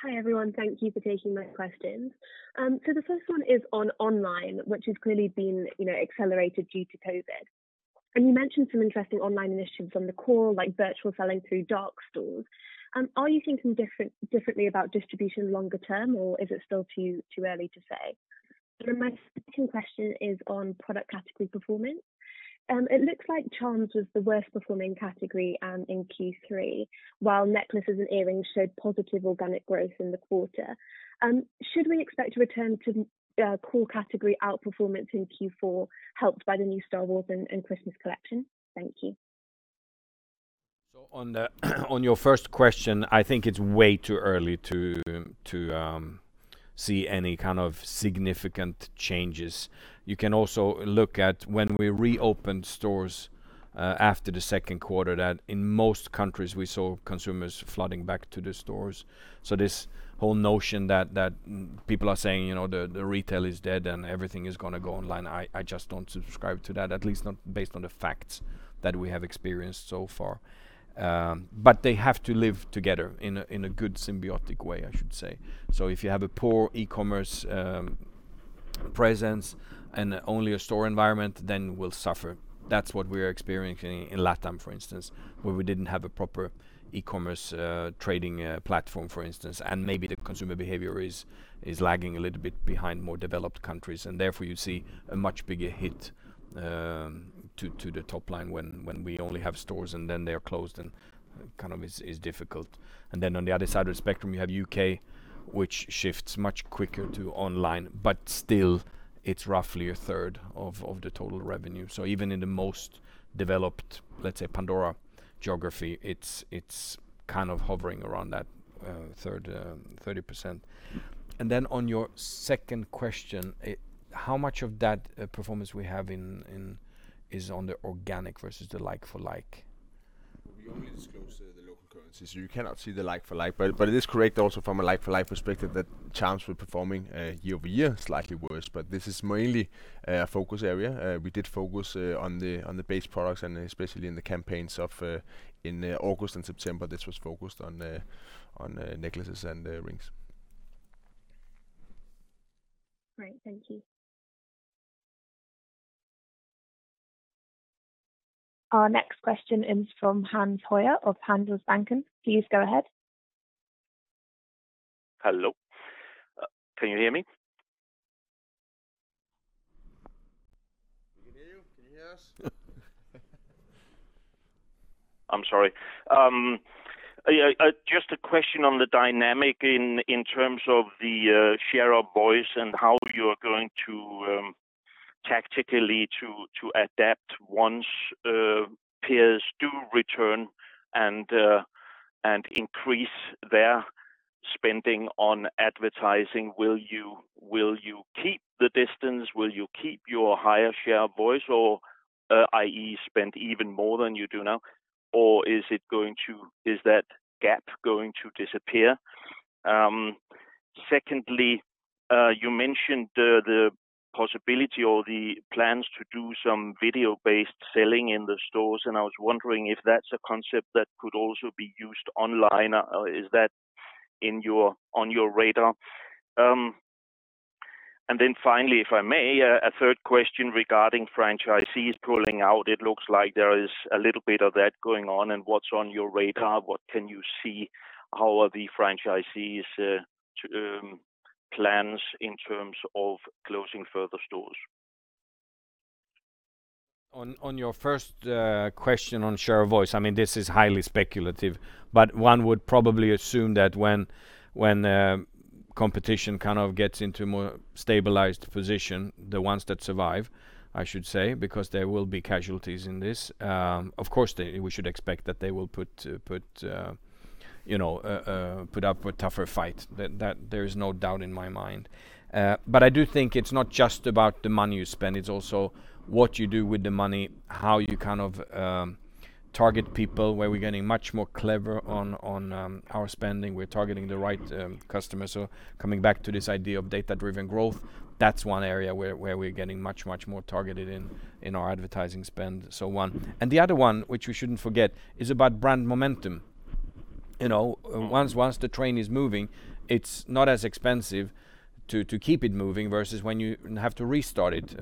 Hi, everyone. Thank you for taking my questions. The first one is on online, which has clearly been accelerated due to COVID. You mentioned some interesting online initiatives on the call, like virtual selling through dark stores. Are you thinking differently about distribution longer term, or is it still too early to say? My second question is on product category performance. It looks like charms was the worst performing category in Q3, while necklaces and earrings showed positive organic growth in the quarter. Should we expect a return to core category outperformance in Q4 helped by the new Star Wars and Christmas collection? Thank you. On your first question, I think it's way too early to see any kind of significant changes. You can also look at when we reopened stores after the second quarter, that in most countries we saw consumers flooding back to the stores. This whole notion that people are saying the retail is dead, and everything is going to go online, I just don't subscribe to that, at least not based on the facts that we have experienced so far. They have to live together in a good symbiotic way, I should say. If you have a poor e-commerce presence and only a store environment, then we'll suffer. That's what we're experiencing in LatAm, for instance, where we didn't have a proper e-commerce trading platform, for instance. Maybe the consumer behavior is lagging a little bit behind more developed countries, and therefore you see a much bigger hit to the top line when we only have stores, and then they are closed and kind of is difficult. On the other side of the spectrum, you have U.K., which shifts much quicker to online, but still it's roughly a third of the total revenue. Even in the most developed, let's say Pandora geography, it's kind of hovering around that 30%. On your second question, how much of that performance we have is on the organic versus the like-for-like? We only disclose the local currency, so you cannot see the like-for-like. It is correct also from a like-for-like perspective that charms were performing year-over-year slightly worse. This is mainly a focus area. We did focus on the base products, and especially in the campaigns in August and September, this was focused on necklaces and rings. Right. Thank you. Our next question is from Hans Hirt of Handelsbanken. Please go ahead. Hello. Can you hear me? We can hear you. Can you hear us? I'm sorry. Just a question on the dynamic in terms of the share of voice and how you are going to tactically to adapt once peers do return and increase their spending on advertising. Will you keep the distance? Will you keep your higher share of voice or, i.e. spend even more than you do now, or is that gap going to disappear? Secondly, you mentioned the possibility or the plans to do some video-based selling in the stores, and I was wondering if that's a concept that could also be used online. Is that on your radar? Finally, if I may, a third question regarding franchisees pulling out. It looks like there is a little bit of that going on, and what's on your radar? What can you see? How are the franchisees plans in terms of closing further stores? On your first question on share of voice, this is highly speculative, but one would probably assume that when competition kind of gets into more stabilized position, the ones that survive, I should say, because there will be casualties in this, of course, we should expect that they will put up a tougher fight. There is no doubt in my mind. I do think it's not just about the money you spend, it's also what you do with the money, how you kind of target people, where we're getting much more clever on our spending. We're targeting the right customers. Coming back to this idea of data-driven growth, that's one area where we're getting much, much more targeted in our advertising spend. The other one, which we shouldn't forget, is about brand momentum. Once the train is moving, it's not as expensive to keep it moving versus when you have to restart it.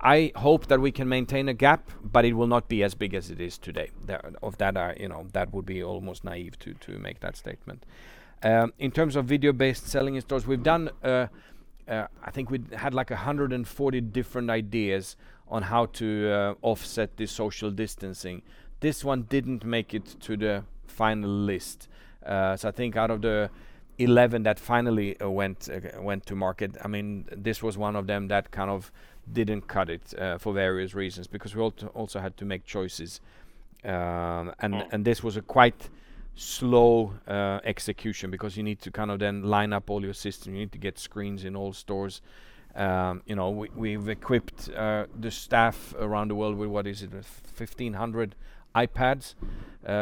I hope that we can maintain a gap, but it will not be as big as it is today. That would be almost naive to make that statement. In terms of video-based selling in stores, I think we had like 140 different ideas on how to offset the social distancing. This one didn't make it to the final list. I think out of the 11 that finally went to market, this was one of them that kind of didn't cut it for various reasons, because we also had to make choices. This was a quite slow execution because you need to kind of then line up all your systems. You need to get screens in all stores. We've equipped the staff around the world with, what is it? 1,500 iPads,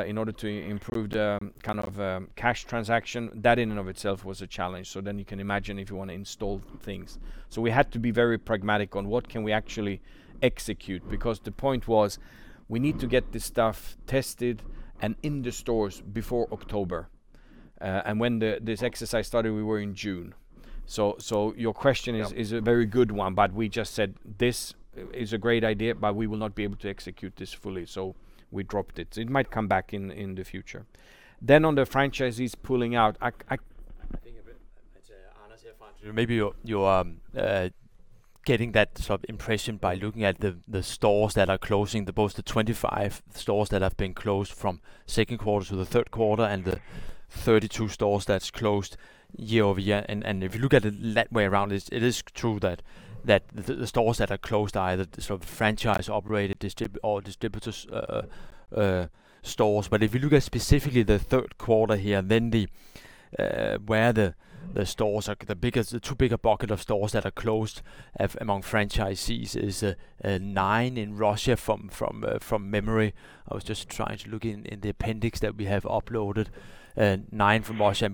in order to improve the kind of cash transaction. That in and of itself was a challenge. You can imagine if you want to install things. We had to be very pragmatic on what can we actually execute, because the point was we need to get this stuff tested and in the stores before October. When this exercise started, we were in June. Your question is a very good one, but we just said, this is a great idea, but we will not be able to execute this fully. We dropped it. It might come back in the future. On the franchisees pulling out, I- It's Anders here, Hans. Maybe you're getting that sort of impression by looking at the stores that are closing, both the 25 stores that have been closed from second quarter to the third quarter and the 32 stores that's closed year-over-year. If you look at it that way around, it is true that the stores that are closed are either sort of franchise-operated or distributors stores. If you look at specifically the third quarter here, then where the stores are, the two bigger bucket of stores that are closed among franchisees is nine in Russia, from memory. I was just trying to look in the appendix that we have uploaded. Nine from Russia.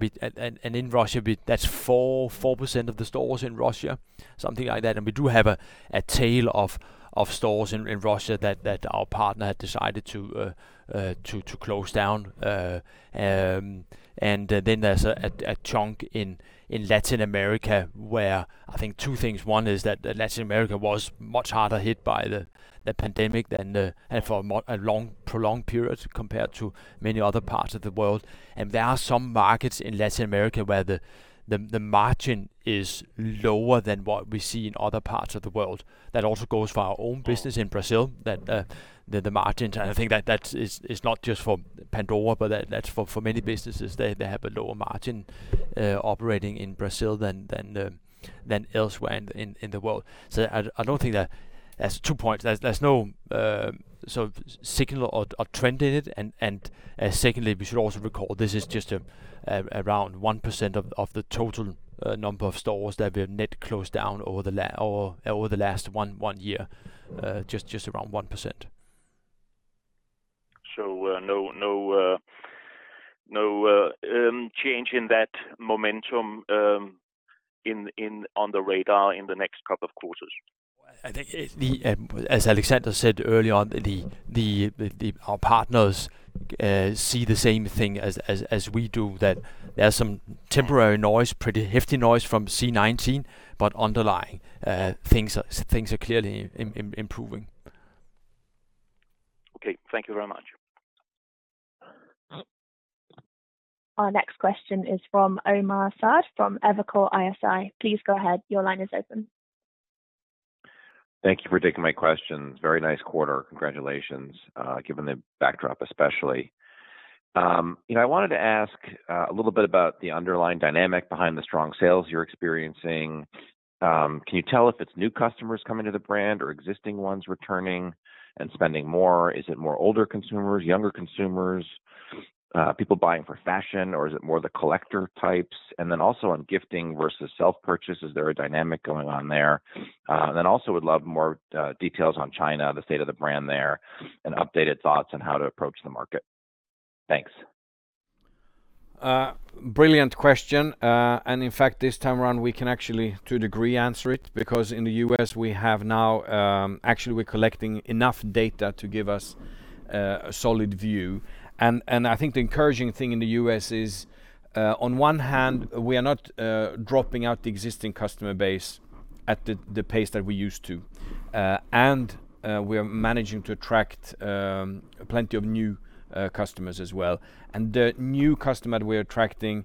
In Russia, that's 4% of the stores in Russia, something like that. We do have a tail of stores in Russia that our partner had decided to close down. There's a chunk in Latin America where I think two things. One is that Latin America was much harder hit by the pandemic and for a prolonged period compared to many other parts of the world. There are some markets in Latin America where the margin is lower than what we see in other parts of the world. That also goes for our own business in Brazil, that the margins, I think that is not just for Pandora, but that's for many businesses, they have a lower margin operating in Brazil than elsewhere in the world. I don't think that. There's two points. There's no sort of signal or trend in it. Secondly, we should also recall this is just around 1% of the total number of stores that we have net closed down over the last one year. Just around 1%. No change in that momentum on the radar in the next couple of quarters? I think as Alexander said earlier on, our partners see the same thing as we do, that there's some temporary noise, pretty hefty noise from C-19, but underlying, things are clearly improving. Okay. Thank you very much. Our next question is from [Omar Asseman] from Evercore ISI. Please go ahead. Your line is open. Thank you for taking my questions. Very nice quarter. Congratulations, given the backdrop, especially. I wanted to ask a little bit about the underlying dynamic behind the strong sales you're experiencing. Can you tell if it's new customers coming to the brand or existing ones returning and spending more? Is it more older consumers, younger consumers, people buying for fashion, or is it more the collector types? Also on gifting versus self-purchase, is there a dynamic going on there? Also would love more details on China, the state of the brand there, and updated thoughts on how to approach the market. Thanks. Brilliant question. In fact, this time around, we can actually, to a degree, answer it because in the U.S., actually we're collecting enough data to give us a solid view. I think the encouraging thing in the U.S. is, on one hand, we are not dropping out the existing customer base at the pace that we used to. We are managing to attract plenty of new customers as well. The new customer that we are attracting,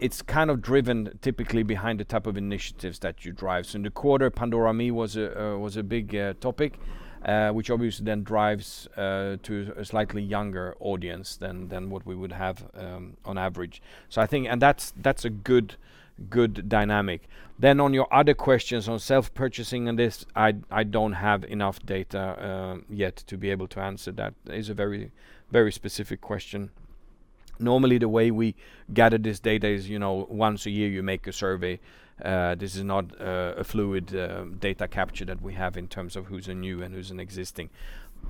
it's kind of driven typically behind the type of initiatives that you drive. In the quarter, Pandora ME was a big topic, which obviously then drives to a slightly younger audience than what we would have on average. That's a good dynamic. On your other questions on self-purchasing and this, I don't have enough data yet to be able to answer that. It is a very specific question. Normally, the way we gather this data is once a year you make a survey. This is not a fluid data capture that we have in terms of who's a new and who's an existing.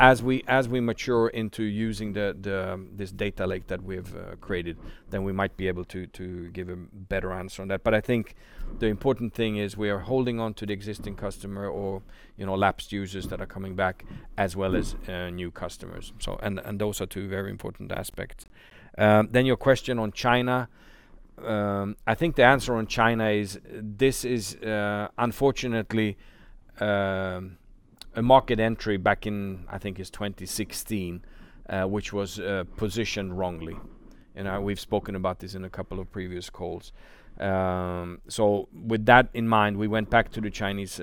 As we mature into using this data lake that we have created, we might be able to give a better answer on that. I think the important thing is we are holding onto the existing customer or lapsed users that are coming back, as well as new customers. Those are two very important aspects. Your question on China. I think the answer on China is this is, unfortunately, a market entry back in, I think it's 2016, which was positioned wrongly, and we've spoken about this in a couple of previous calls. With that in mind, we went back to the Chinese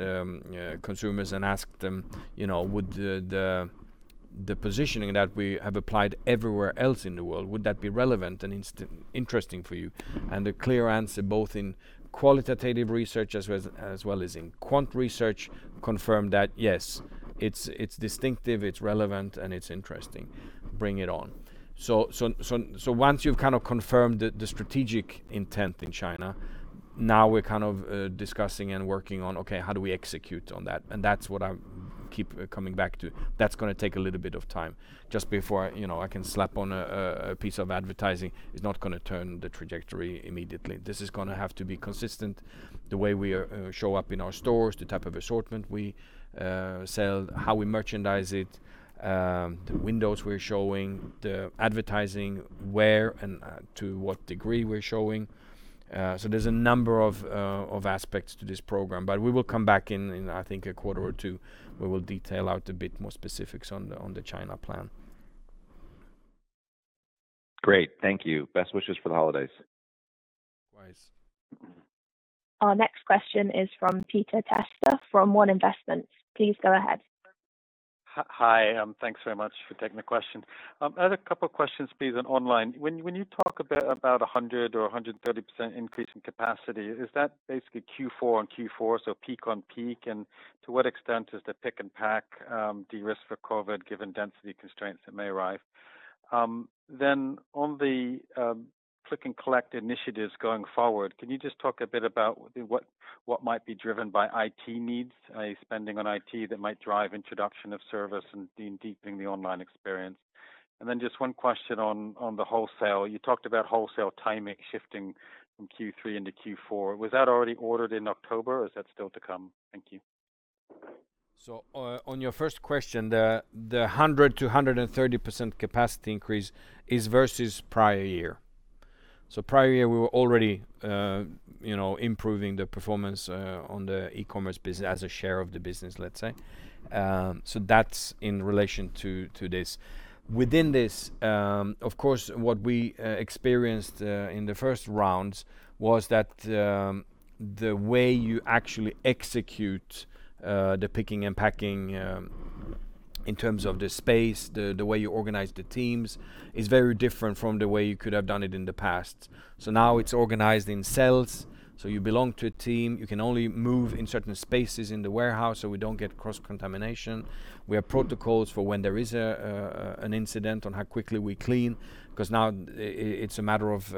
consumers and asked them, would the positioning that we have applied everywhere else in the world, would that be relevant and interesting for you? The clear answer, both in qualitative research as well as in quant research, confirmed that, yes, it's distinctive, it's relevant, and it's interesting. Bring it on. Once you've kind of confirmed the strategic intent in China, now we're kind of discussing and working on, okay, how do we execute on that? That's what I keep coming back to. That's going to take a little bit of time. Just before I can slap on a piece of advertising, it's not going to turn the trajectory immediately. This is going to have to be consistent, the way we show up in our stores, the type of assortment we sell, how we merchandise it, the windows we're showing, the advertising, where and to what degree we're showing. There's a number of aspects to this program. We will come back in, I think, a quarter or two, where we'll detail out a bit more specifics on the China plan. Great. Thank you. Best wishes for the holidays. Likewise. Our next question is from Peter Testa from One Investments. Please go ahead. Hi. Thanks very much for taking the question. I had a couple questions, please, on online. When you talk a bit about 100% or 130% increase in capacity, is that basically Q4 on Q4, so peak on peak, and to what extent is the pick and pack de-risked for COVID given density constraints that may arrive? On the click and collect initiatives going forward, can you just talk a bit about what might be driven by IT needs, spending on IT that might drive introduction of service and deepening the online experience? Just one question on the wholesale. You talked about wholesale timing shifting from Q3 into Q4. Was that already ordered in October, or is that still to come? Thank you. On your first question, the 100%-130% capacity increase is versus prior year. Prior year, we were already improving the performance on the e-commerce business as a share of the business, let's say. That's in relation to this. Within this, of course, what we experienced in the first rounds was that the way you actually execute the picking and packing in terms of the space, the way you organize the teams, is very different from the way you could have done it in the past. Now it's organized in cells, so you belong to a team. You can only move in certain spaces in the warehouse, so we don't get cross-contamination. We have protocols for when there is an incident on how quickly we clean, because now it's a matter of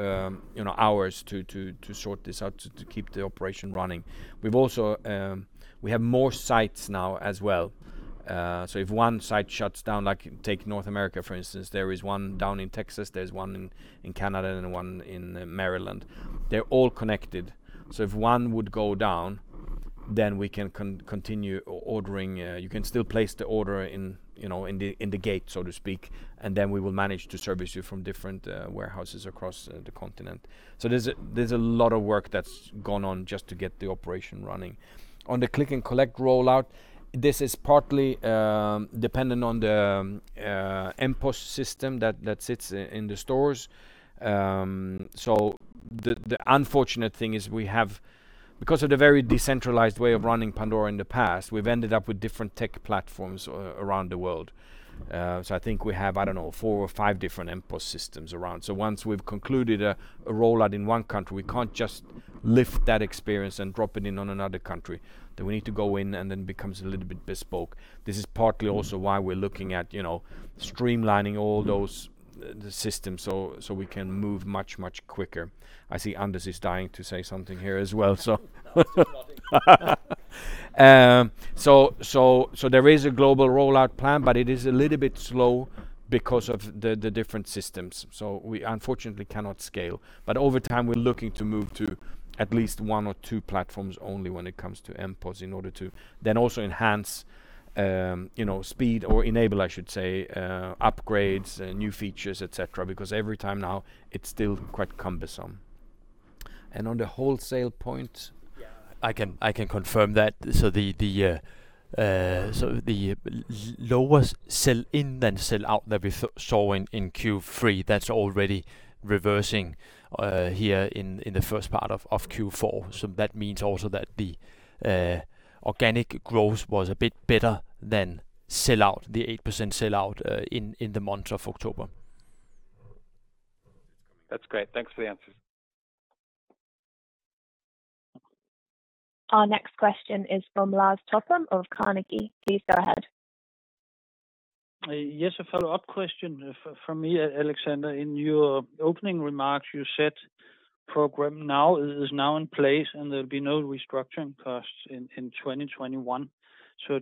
hours to sort this out, to keep the operation running. We have more sites now as well. If one site shuts down, like take North America, for instance, there's one down in Texas, there's one in Canada, and one in Maryland. They're all connected. If one would go down. We can continue ordering. You can still place the order in the gate, so to speak, and then we will manage to service you from different warehouses across the continent. There's a lot of work that's gone on just to get the operation running. On the click and collect rollout, this is partly dependent on the MPOS system that sits in the stores. The unfortunate thing is we have, because of the very decentralized way of running Pandora in the past, we've ended up with different tech platforms around the world. I think we have, I don't know, four or five different MPOS systems around. Once we've concluded a rollout in one country, we can't just lift that experience and drop it in on another country. We need to go in and then it becomes a little bit bespoke. This is partly also why we're looking at streamlining all those systems so we can move much, much quicker. I see Anders is dying to say something here as well. No, it's nothing. There is a global rollout plan, but it is a little bit slow because of the different systems. We unfortunately cannot scale. Over time, we're looking to move to at least one or two platforms only when it comes to MPOS in order to then also enhance speed or enable, I should say, upgrades, new features, et cetera, because every time now it's still quite cumbersome. On the wholesale point. I can confirm that. The lower sell-in than sell-out that we saw in Q3, that's already reversing here in the first part of Q4. That means also that the organic growth was a bit better than sellout, the 8% sellout, in the month of October. That's great. Thanks for the answers. Our next question is from Lars Topholm of Carnegie. Please go ahead. A follow-up question from me, Alexander. In your opening remarks, you said Programme NOW is now in place, and there'll be no restructuring costs in 2021.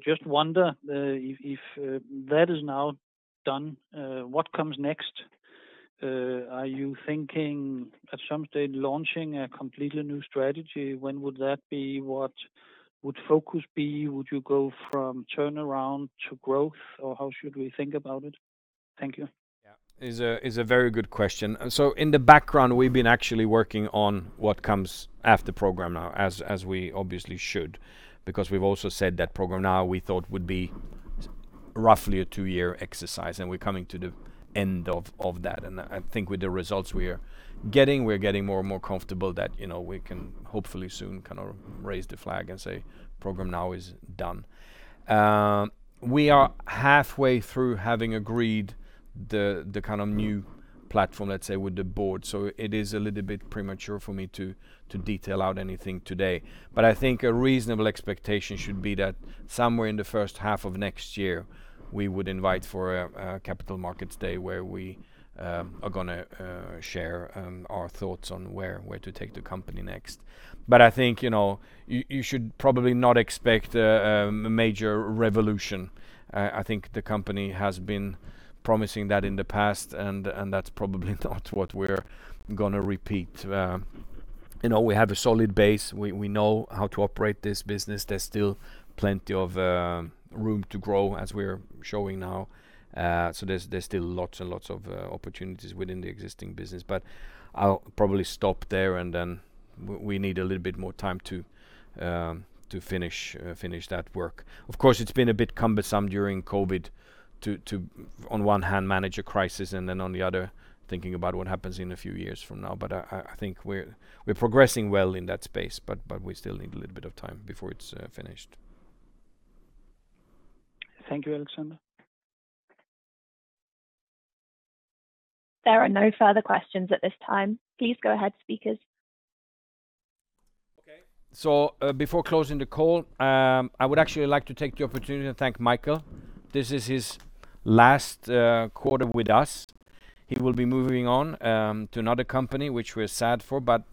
Just wonder if that is now done, what comes next? Are you thinking at some stage launching a completely new strategy? When would that be? What would focus be? Would you go from turnaround to growth, or how should we think about it? Thank you. Yeah. It's a very good question. In the background, we've been actually working on what comes after Programme NOW, as we obviously should. We've also said that Programme NOW we thought would be roughly a two-year exercise, and we're coming to the end of that. I think with the results we're getting, we're getting more and more comfortable that we can hopefully soon kind of raise the flag and say, Programme NOW is done. We are halfway through having agreed the kind of new platform, let's say, with the board. It is a little bit premature for me to detail out anything today. I think a reasonable expectation should be that somewhere in the first half of next year, we would invite for a capital markets day where we are going to share our thoughts on where to take the company next. I think you should probably not expect a major revolution. I think the company has been promising that in the past, and that's probably not what we're going to repeat. We have a solid base. We know how to operate this business. There's still plenty of room to grow as we're showing now. There's still lots and lots of opportunities within the existing business, but I'll probably stop there, and then we need a little bit more time to finish that work. Of course, it's been a bit cumbersome during COVID to, on one hand, manage a crisis and then on the other, thinking about what happens in a few years from now. I think we're progressing well in that space, but we still need a little bit of time before it's finished. Thank you, Alexander. There are no further questions at this time. Please go ahead, speakers. Before closing the call, I would actually like to take the opportunity to thank Michael. This is his last quarter with us. He will be moving on to another company, which we're sad for, but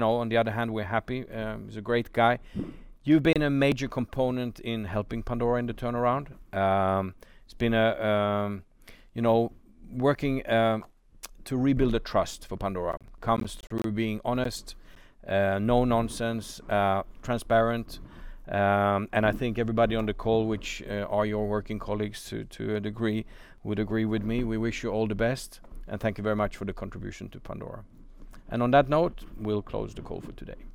on the other hand, we're happy. He's a great guy. You've been a major component in helping Pandora in the turnaround. It's been working to rebuild the trust for Pandora comes through being honest, no nonsense, transparent, and I think everybody on the call, which are your working colleagues to a degree, would agree with me. We wish you all the best, and thank you very much for the contribution to Pandora. On that note, we'll close the call for today.